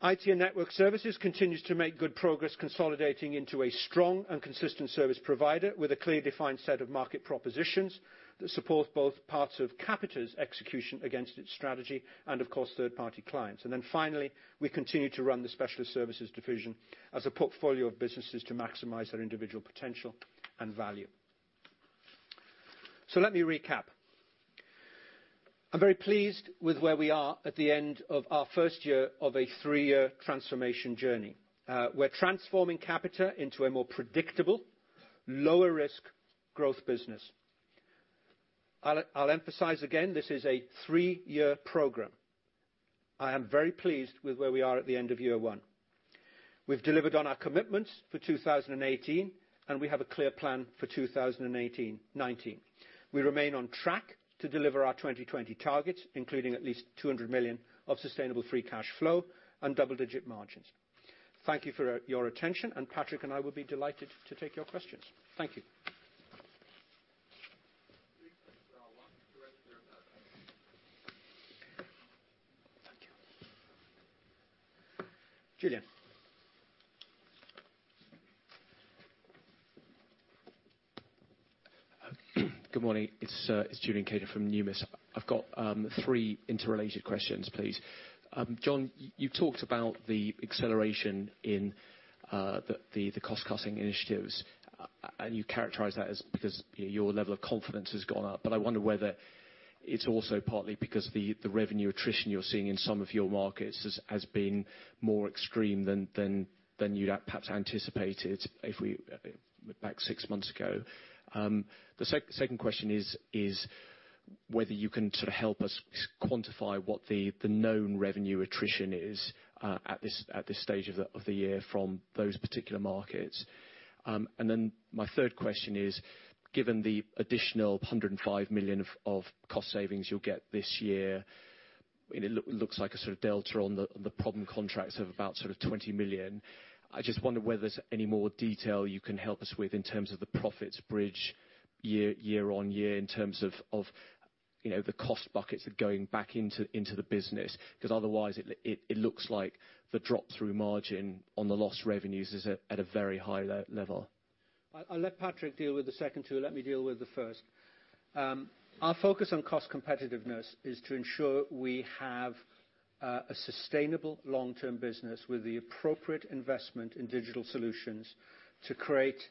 IT & Networks continues to make good progress consolidating into a strong and consistent service provider with a clearly defined set of market propositions that support both parts of Capita's execution against its strategy and, of course, third-party clients. Finally, we continue to run the Specialist Services division as a portfolio of businesses to maximize their individual potential and value. Let me recap. I'm very pleased with where we are at the end of our first year of a three-year transformation journey. We're transforming Capita into a more predictable, lower risk growth business. I'll emphasize again, this is a three-year program. I am very pleased with where we are at the end of year one. We've delivered on our commitments for 2018, and we have a clear plan for 2019. We remain on track to deliver our 2020 targets, including at least 200 million of sustainable free cash flow, and double-digit margins. Thank you for your attention, and Patrick and I will be delighted to take your questions. Thank you. [inaudible] Julian. Good morning. It's Julian Cater from Numis. I've got three interrelated questions, please. Jon, you talked about the acceleration in the cost-cutting initiatives, and you characterize that as because your level of confidence has gone up. I wonder whether it's also partly because the revenue attrition you're seeing in some of your markets has been more extreme than you'd perhaps anticipated back six months ago. The second question is whether you can sort of help us quantify what the known revenue attrition is at this stage of the year from those particular markets. Then my third question is, given the additional 105 million of cost savings you'll get this year, it looks like a sort of delta on the problem contracts of about sort of 20 million. I just wonder whether there's any more detail you can help us with in terms of the profits bridge year-on-year in terms of the cost buckets that are going back into the business. Otherwise, it looks like the drop-through margin on the lost revenues is at a very high level. I'll let Patrick deal with the second two. Let me deal with the first. Our focus on cost competitiveness is to ensure we have a sustainable long-term business with the appropriate investment in digital solutions to create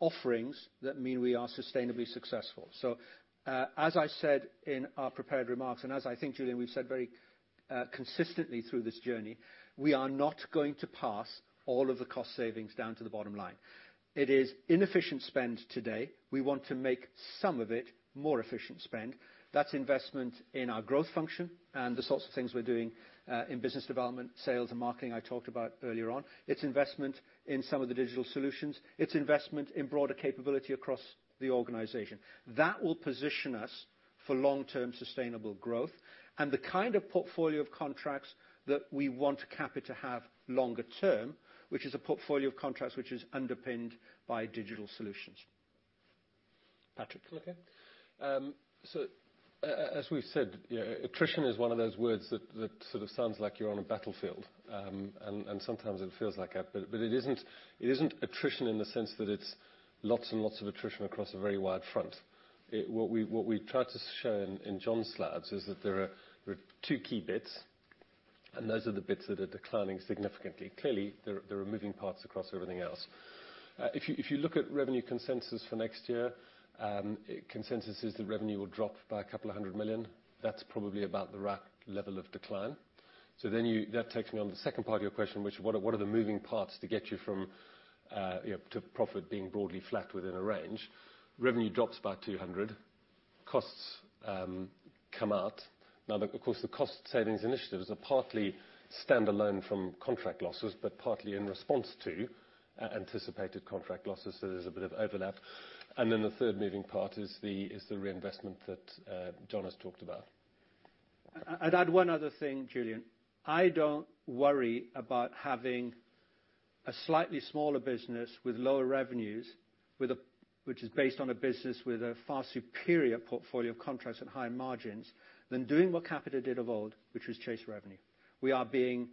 offerings that mean we are sustainably successful. As I said in our prepared remarks, and as I think, Julian, we've said very consistently through this journey, we are not going to pass all of the cost savings down to the bottom line. It is inefficient spend today. We want to make some of it more efficient spend. That's investment in our growth function and the sorts of things we're doing in business development, sales, and marketing I talked about earlier on. It's investment in some of the digital solutions. It's investment in broader capability across the organization. That will position us for long-term sustainable growth and the kind of portfolio of contracts that we want Capita to have longer term, which is a portfolio of contracts which is underpinned by digital solutions. Patrick? Okay. As we've said, attrition is one of those words that sort of sounds like you're on a battlefield, and sometimes it feels like that. It isn't attrition in the sense that it's lots and lots of attrition across a very wide front. What we tried to show in Jon's slides is that there are two key bits, and those are the bits that are declining significantly. Clearly, there are moving parts across everything else. If you look at revenue consensus for next year, consensus is that revenue will drop by a couple of hundred million. That's probably about the right level of decline. That takes me on the second part of your question, which is what are the moving parts to get you to profit being broadly flat within a range? Revenue drops by 200 costs come out. Now, of course, the cost savings initiatives are partly standalone from contract losses, but partly in response to anticipated contract losses, so there's a bit of overlap. The third moving part is the reinvestment that Jon has talked about. I'd add one other thing, Julian. I don't worry about having a slightly smaller business with lower revenues, which is based on a business with a far superior portfolio of contracts and higher margins, than doing what Capita did of old, which was chase revenue. We are being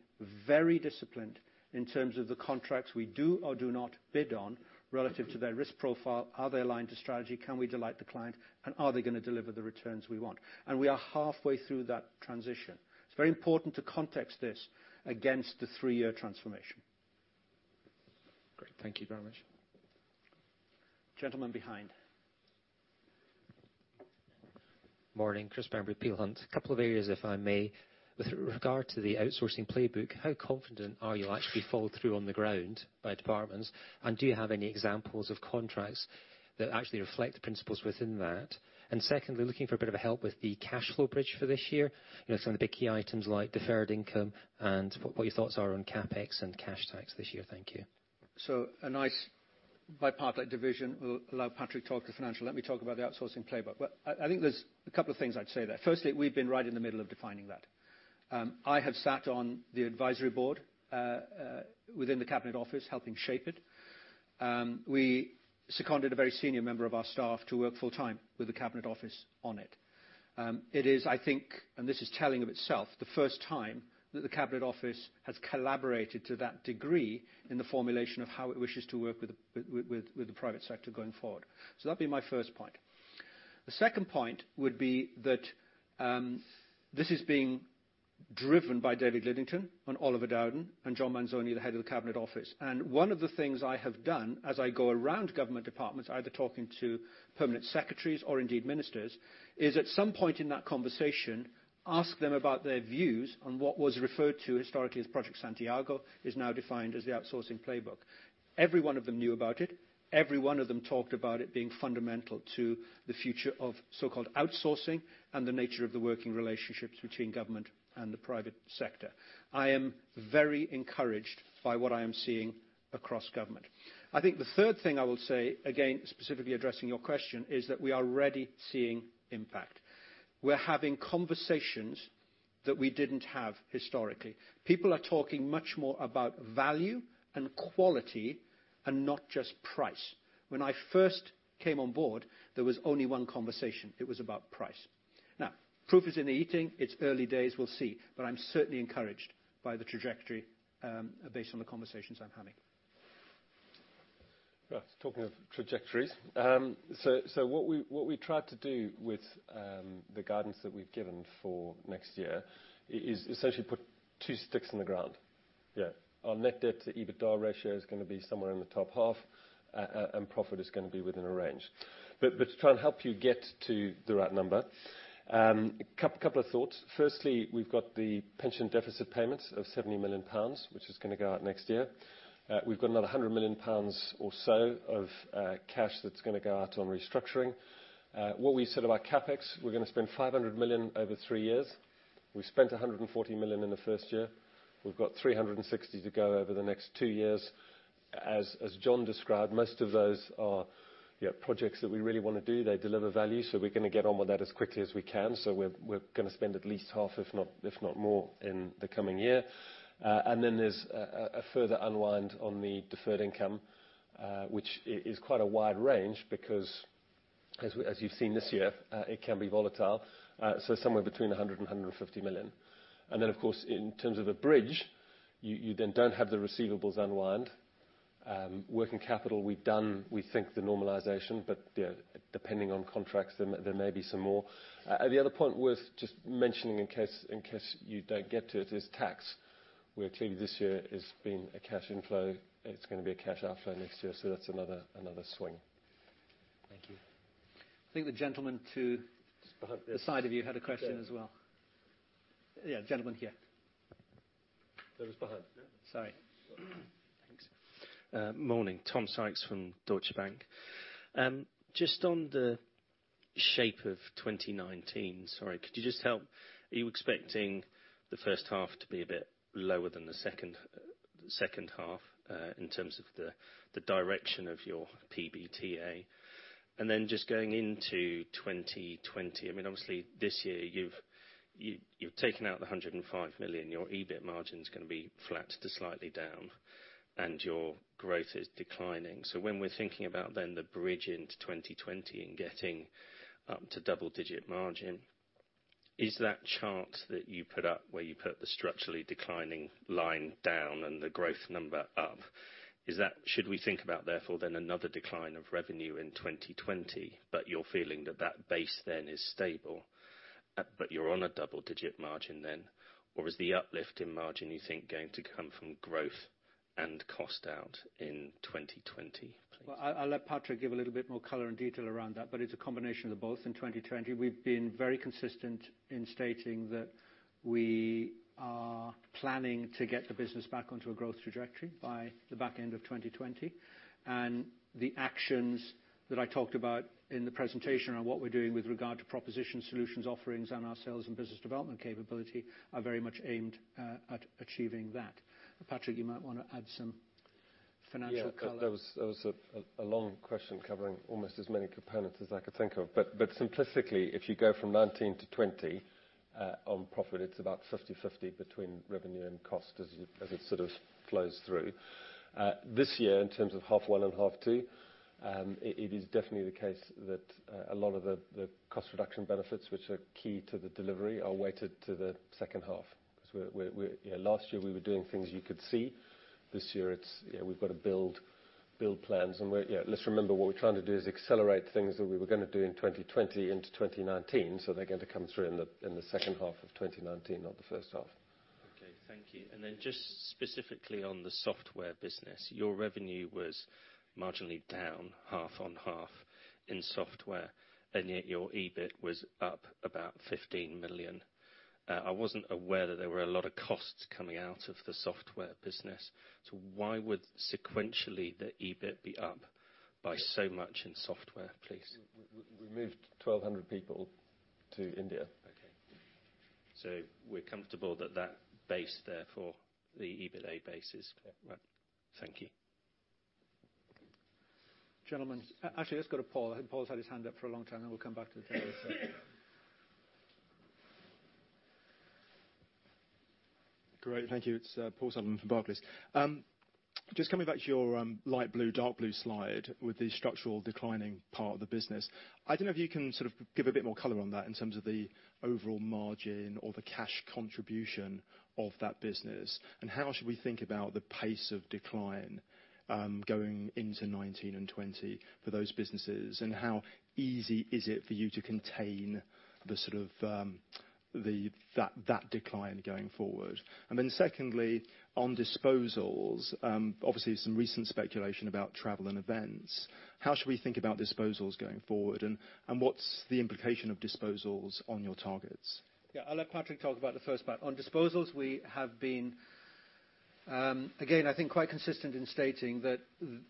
very disciplined in terms of the contracts we do or do not bid on relative to their risk profile. Are they aligned to strategy? Can we delight the client? Are they going to deliver the returns we want? We are halfway through that transition. It's very important to context this against the three-year transformation. Great. Thank you very much. Gentleman behind. Morning. Christopher Bamberry, Peel Hunt. Couple of areas, if I may. With regard to the Outsourcing Playbook, how confident are you actually follow through on the ground by departments? Do you have any examples of contracts that actually reflect the principles within that? Secondly, looking for a bit of help with the cash flow bridge for this year, some of the big key items like deferred income and what your thoughts are on CapEx and cash tax this year. Thank you. A nice bipartite division will allow Patrick talk the financial, let me talk about the Outsourcing Playbook. I think there's a couple of things I'd say there. Firstly, we've been right in the middle of defining that. I have sat on the advisory board within the Cabinet Office, helping shape it. We seconded a very senior member of our staff to work full time with the Cabinet Office on it. It is, I think, and this is telling of itself, the first time that the Cabinet Office has collaborated to that degree in the formulation of how it wishes to work with the private sector going forward. That'd be my first point. The second point would be that this is being driven by David Lidington and Oliver Dowden, and John Manzoni, the Head of the Cabinet Office. One of the things I have done as I go around government departments, either talking to permanent secretaries or indeed ministers, is at some point in that conversation, ask them about their views on what was referred to historically as Project Santiago, is now defined as the Outsourcing Playbook. Every one of them knew about it. Every one of them talked about it being fundamental to the future of so-called outsourcing and the nature of the working relationships between government and the private sector. I am very encouraged by what I am seeing across government. I think the third thing I will say, again, specifically addressing your question, is that we are already seeing impact. We're having conversations that we didn't have historically. People are talking much more about value and quality and not just price. When I first came on board, there was only one conversation. Proof is in the eating. It's early days, we'll see, but I'm certainly encouraged by the trajectory, based on the conversations I'm having. Talking of trajectories. What we tried to do with the guidance that we've given for next year is essentially put two sticks in the ground. Our net debt to EBITDA ratio is going to be somewhere in the top half, and profit is going to be within a range. To try and help you get to the right number, couple of thoughts. Firstly, we've got the pension deficit payment of 70 million pounds, which is going to go out next year. We've got another 100 million pounds or so of cash that's going to go out on restructuring. What we said about CapEx, we're going to spend 500 million over three years. We've spent 140 million in the first year. We've got 360 million to go over the next two years. As Jon described, most of those are projects that we really want to do. They deliver value, we're going to get on with that as quickly as we can. We're going to spend at least half, if not more, in the coming year. Then there's a further unwind on the deferred income, which is quite a wide range because, as you've seen this year, it can be volatile. Somewhere between 100 million-150 million. Then of course, in terms of the bridge, you then don't have the receivables unwind. Working capital, we've done, we think, the normalization, but depending on contracts, there may be some more. The other point worth just mentioning in case you don't get to it, is tax, where clearly this year has been a cash inflow. It's going to be a cash outflow next year. That's another swing. Thank you. I think the gentleman to- Just behind, yes. The side of you had a question as well. Yeah, gentleman here. There was behind. Yeah. Sorry. Thanks. Morning. Tom Sykes from Deutsche Bank. On the shape of 2019, sorry, could you just help, are you expecting the H1 to be a bit lower than the H2, in terms of the direction of your PBTA? Going into 2020, obviously this year you've taken out the 105 million. Your EBIT margin's going to be flat to slightly down, and your growth is declining. When we're thinking about the bridge into 2020 and getting up to double-digit margin, is that chart that you put up where you put the structurally declining line down and the growth number up, should we think about therefore another decline of revenue in 2020, but you're feeling that that base then is stable, but you're on a double-digit margin then? Is the uplift in margin you think going to come from growth and cost out in 2020, please? Well, I'll let Patrick give a little bit more color and detail around that, it's a combination of the both in 2020. We've been very consistent in stating that we are planning to get the business back onto a growth trajectory by the back end of 2020. The actions that I talked about in the presentation on what we're doing with regard to proposition solutions offerings and our sales and business development capability are very much aimed at achieving that. Patrick, you might want to add some financial color. Yeah. That was a long question covering almost as many components as I could think of. Simplistically, if you go from 2019 to 2020, on profit, it's about 50/50 between revenue and cost as it sort of flows through. This year, in terms of H1 and H2, it is definitely the case that a lot of the cost reduction benefits, which are key to the delivery, are weighted to the H2. Last year we were doing things you could see. This year, we've got to build plans. Let's remember what we're trying to do is accelerate things that we were going to do in 2020 into 2019. They're going to come through in the H2 of 2019, not the H1. Okay, thank you. Then just specifically on the Software Division. Your revenue was marginally down half-on-half in software, and yet your EBIT was up about 15 million. I wasn't aware that there were a lot of costs coming out of the Software Division. Why would sequentially the EBIT be up by so much in the Software Division, please? We moved 1,200 people to India. Okay. We're comfortable that that base there for the EBITA base is clear. Right. Thank you. Gentlemen. Actually, let's go to Paul. I think Paul's had his hand up for a long time, then we'll come back to the fellow. Great. Thank you. It's Paul Sullivan from Barclays. Just coming back to your light blue, dark blue slide with the structural declining part of the business. I don't know if you can sort of give a bit more color on that in terms of the overall margin or the cash contribution of that business. How should we think about the pace of decline going into 2019 and 2020 for those businesses, and how easy is it for you to contain that decline going forward? Secondly, on disposals, obviously some recent speculation about travel and events. How should we think about disposals going forward and what's the implication of disposals on your targets? Yeah, I'll let Patrick talk about the first part. On disposals, we have been, again, I think quite consistent in stating that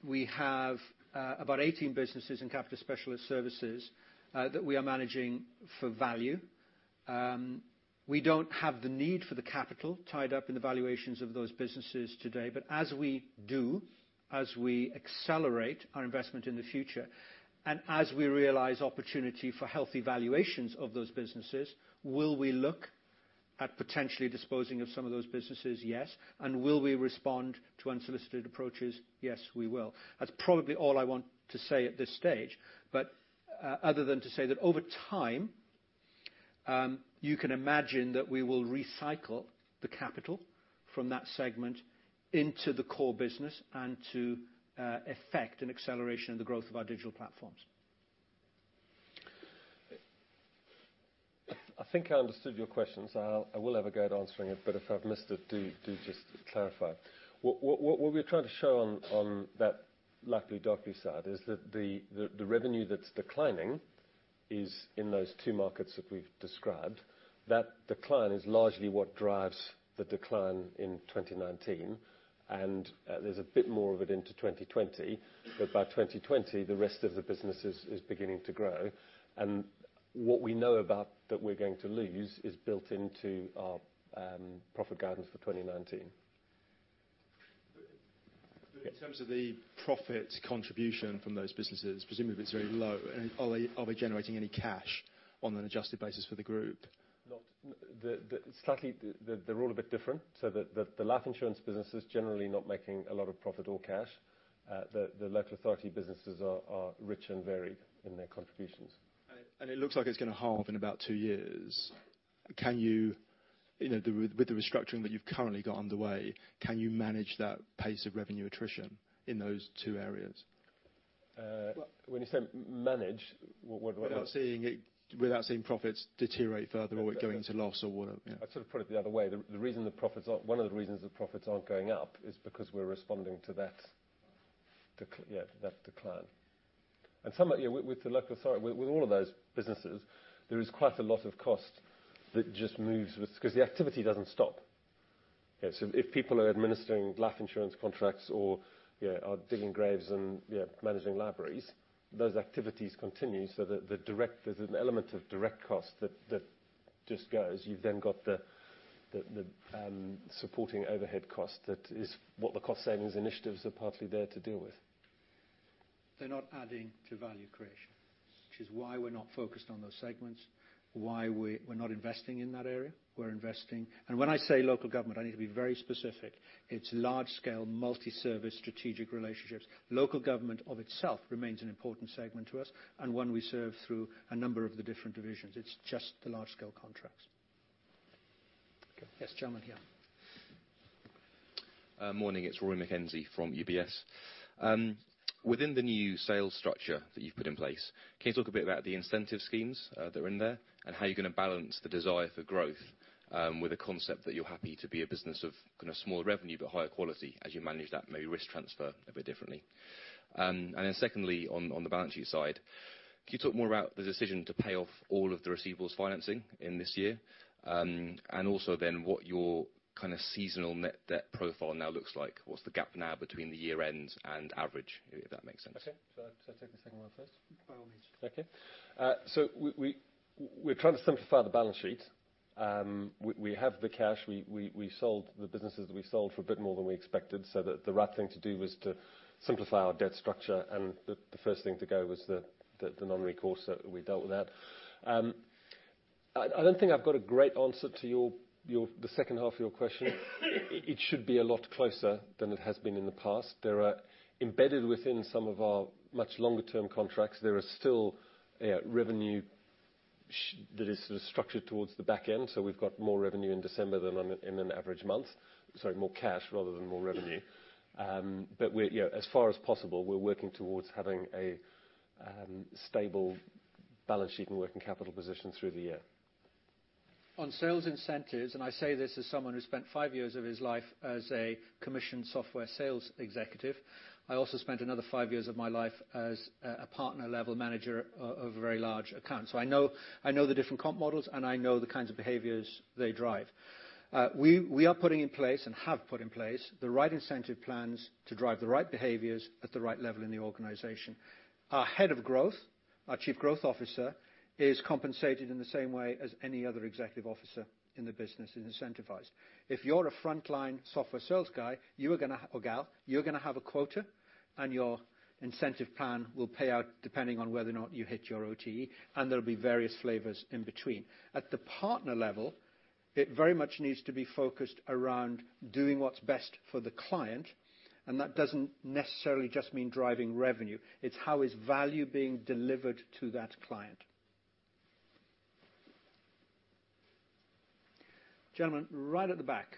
we have about 18 businesses in Capita Specialist Services that we are managing for value. We don't have the need for the capital tied up in the valuations of those businesses today. As we do, as we accelerate our investment in the future, and as we realize opportunity for healthy valuations of those businesses, will we look at potentially disposing of some of those businesses? Yes. Will we respond to unsolicited approaches? Yes, we will. That's probably all I want to say at this stage. Other than to say that over time, you can imagine that we will recycle the capital from that segment into the core business and to effect an acceleration of the growth of our digital platforms. I think I understood your question. I will have a go at answering it, but if I've missed it, do just clarify. What we're trying to show on that light blue, dark blue side is that the revenue that's declining is in those two markets that we've described. That decline is largely what drives the decline in 2019. There's a bit more of it into 2020. By 2020, the rest of the business is beginning to grow. What we know about that we're going to lose is built into our profit guidance for 2019. In terms of the profit contribution from those businesses, presumably it's very low. Are they generating any cash on an adjusted basis for the group? Slightly. They're all a bit different. The life insurance business is generally not making a lot of profit or cash. The local authority businesses are rich and varied in their contributions. It looks like it's going to halve in about two years. With the restructuring that you've currently got underway, can you manage that pace of revenue attrition in those two areas? When you say manage, what do I? Without seeing profits deteriorate further or it going into loss or whatever. Yeah. I'd sort of put it the other way. One of the reasons the profits aren't going up is because we're responding to that decline. With the local authority, with all of those businesses, there is quite a lot of cost that just moves with because the activity doesn't stop. If people are administering life insurance contracts or are digging graves and managing libraries, those activities continue so there's an element of direct cost that just goes. You've got the supporting overhead cost. That is what the cost savings initiatives are partly there to deal with. They're not adding to value creation. Which is why we're not focused on those segments, why we're not investing in that area. We're investing. When I say local government, I need to be very specific. It's large scale, multi-service strategic relationships. Local government of itself remains an important segment to us and one we serve through a number of the different divisions. It's just the large scale contracts. Okay. Yes, gentleman here. Morning. It's Rory McKenzie from UBS. Within the new sales structure that you've put in place, can you talk a bit about the incentive schemes that are in there and how you're going to balance the desire for growth with a concept that you're happy to be a business of kind of smaller revenue but higher quality as you manage that maybe risk transfer a bit differently? Secondly, on the balance sheet side, can you talk more about the decision to pay off all of the receivables financing in this year? What your kind of seasonal net debt profile now looks like. What's the gap now between the year end and average, if that makes sense? Okay. Should I take the second one first? By all means. Okay. We're trying to simplify the balance sheet. We have the cash. We sold the businesses that we sold for a bit more than we expected, so the right thing to do was to simplify our debt structure, and the first thing to go was the non-recourse, so we dealt with that. I don't think I've got a great answer to the H2 of your question. It should be a lot closer than it has been in the past. Embedded within some of our much longer-term contracts, there is still revenue that is sort of structured towards the back end, so we've got more revenue in December than in an average month. Sorry, more cash rather than more revenue. As far as possible, we're working towards having a stable balance sheet and working capital position through the year. On sales incentives, I say this as someone who spent five years of his life as a commission software sales executive. I also spent another five years of my life as a partner-level manager of a very large account. I know the different comp models, and I know the kinds of behaviors they drive. We are putting in place and have put in place the right incentive plans to drive the right behaviors at the right level in the organization. Our head of growth, our Chief Growth Officer, is compensated in the same way as any other executive officer in the business is incentivized. If you're a frontline software sales guy, or gal, you're going to have a quota, and your incentive plan will pay out depending on whether or not you hit your OTE, and there'll be various flavors in between. At the partner level, it very much needs to be focused around doing what's best for the client, and that doesn't necessarily just mean driving revenue. It's how is value being delivered to that client. Gentleman right at the back.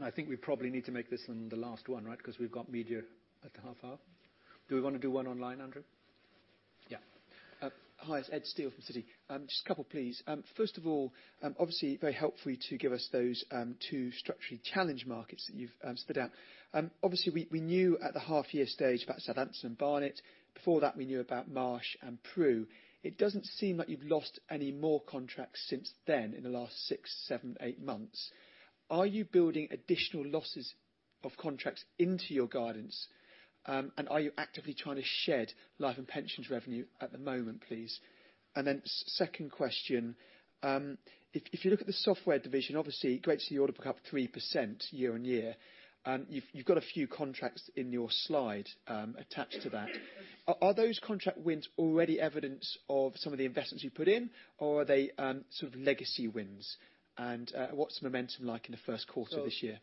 I think we probably need to make this one the last one, right? Because we've got media at the half hour. Do we want to do one online, Andrew? Yeah. Hi, it's Ed Steele from Citi. Just a couple, please. First of all, obviously very helpful to give us those two structurally challenged markets that you've split out. Obviously, we knew at the half-year stage about Southampton and Barnet. Before that, we knew about Marsh and Pru. It doesn't seem like you've lost any more contracts since then, in the last six, seven, eight months. Are you building additional losses of contracts into your guidance? Are you actively trying to shed life and pensions revenue at the moment, please? Second question, if you look at the Software Division, obviously great to see the order book up 3% year-on-year. You've got a few contracts in your slide attached to that. Are those contract wins already evidence of some of the investments you've put in, or are they sort of legacy wins? What's the momentum like in the Q1 this year?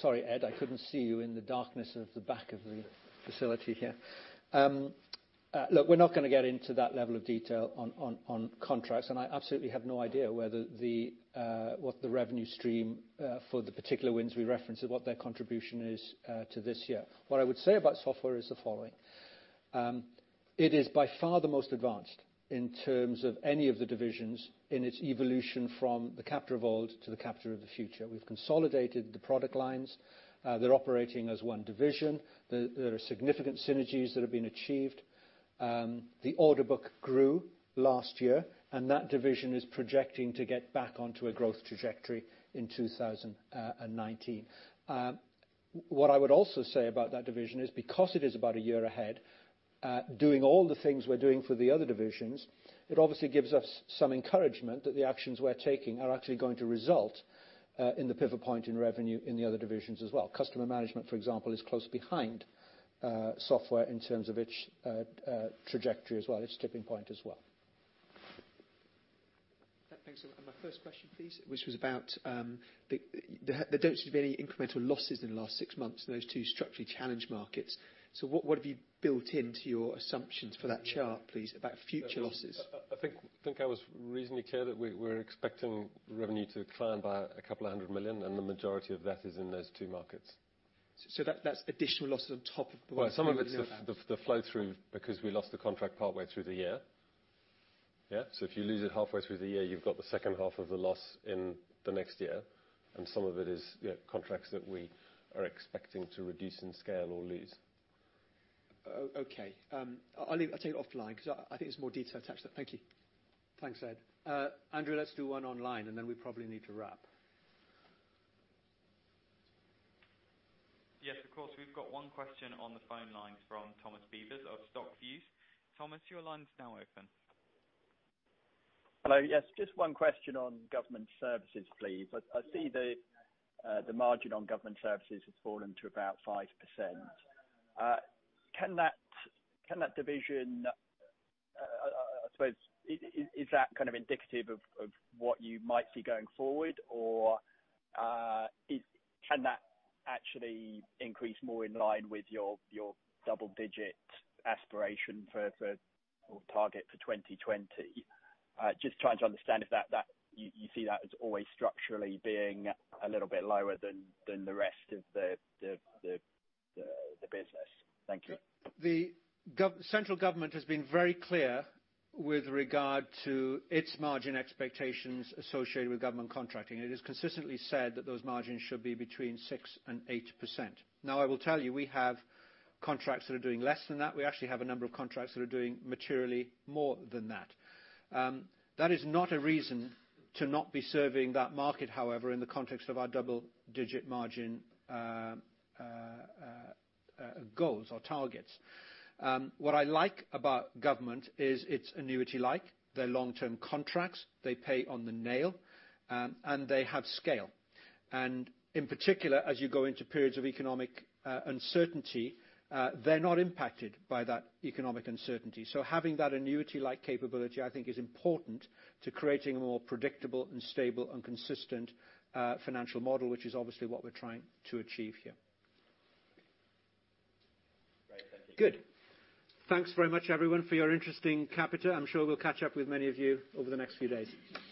Sorry, Ed, I couldn't see you in the darkness of the back of the facility here. We're not going to get into that level of detail on contracts, and I absolutely have no idea what the revenue stream for the particular wins we referenced, and what their contribution is to this year. What I would say about software is the following. It is by far the most advanced in terms of any of the divisions in its evolution from the Capita of old to the Capita of the future. We've consolidated the product lines. They're operating as one division. There are significant synergies that have been achieved. The order book grew last year, and that division is projecting to get back onto a growth trajectory in 2019. What I would also say about that division is because it is about a year ahead, doing all the things we're doing for the other divisions, it obviously gives us some encouragement that the actions we're taking are actually going to result in the pivot point in revenue in the other divisions as well. Customer Management, for example, is close behind software in terms of its trajectory as well, its tipping point as well. Thanks. My first question please, which was about there don't seem to be any incremental losses in the last six months in those two structurally challenged markets. What have you built into your assumptions for that chart, please, about future losses? I think I was reasonably clear that we're expecting revenue to decline by a couple of 100 million, and the majority of that is in those two markets. That's additional losses on top of the ones we already know about. Well, some of it's the flow-through because we lost the contract partway through the year. Yeah. If you lose it halfway through the year, you've got the H2 of the loss in the next year. Some of it is contracts that we are expecting to reduce in scale or lose. Okay. I'll take it offline because I think there's more detail attached to it. Thank you. Thanks, Ed. Andrew, let's do one online, and then we probably need to wrap. Yes, of course. We've got one question on the phone lines from Thomas Beevers of StockViews. Thomas, your line's now open. Hello. Yes, just one question on Government Services, please. I see the margin on Government Services has fallen to about 5%. I suppose, is that kind of indicative of what you might see going forward, or can that actually increase more in line with your double-digit aspiration for or target for 2020? Just trying to understand if you see that as always structurally being a little bit lower than the rest of the business. Thank you. The central government has been very clear with regard to its margin expectations associated with government contracting. It has consistently said that those margins should be between 6% and 8%. I will tell you, we have contracts that are doing less than that. We actually have a number of contracts that are doing materially more than that. That is not a reason to not be serving that market, however, in the context of our double-digit margin goals or targets. What I like about government is it's annuity-like. They're long-term contracts. They pay on the nail, and they have scale. In particular, as you go into periods of economic uncertainty, they're not impacted by that economic uncertainty. Having that annuity-like capability, I think, is important to creating a more predictable and stable and consistent financial model, which is obviously what we're trying to achieve here. Good. Thanks very much, everyone, for your interest in Capita. I'm sure we'll catch up with many of you over the next few days.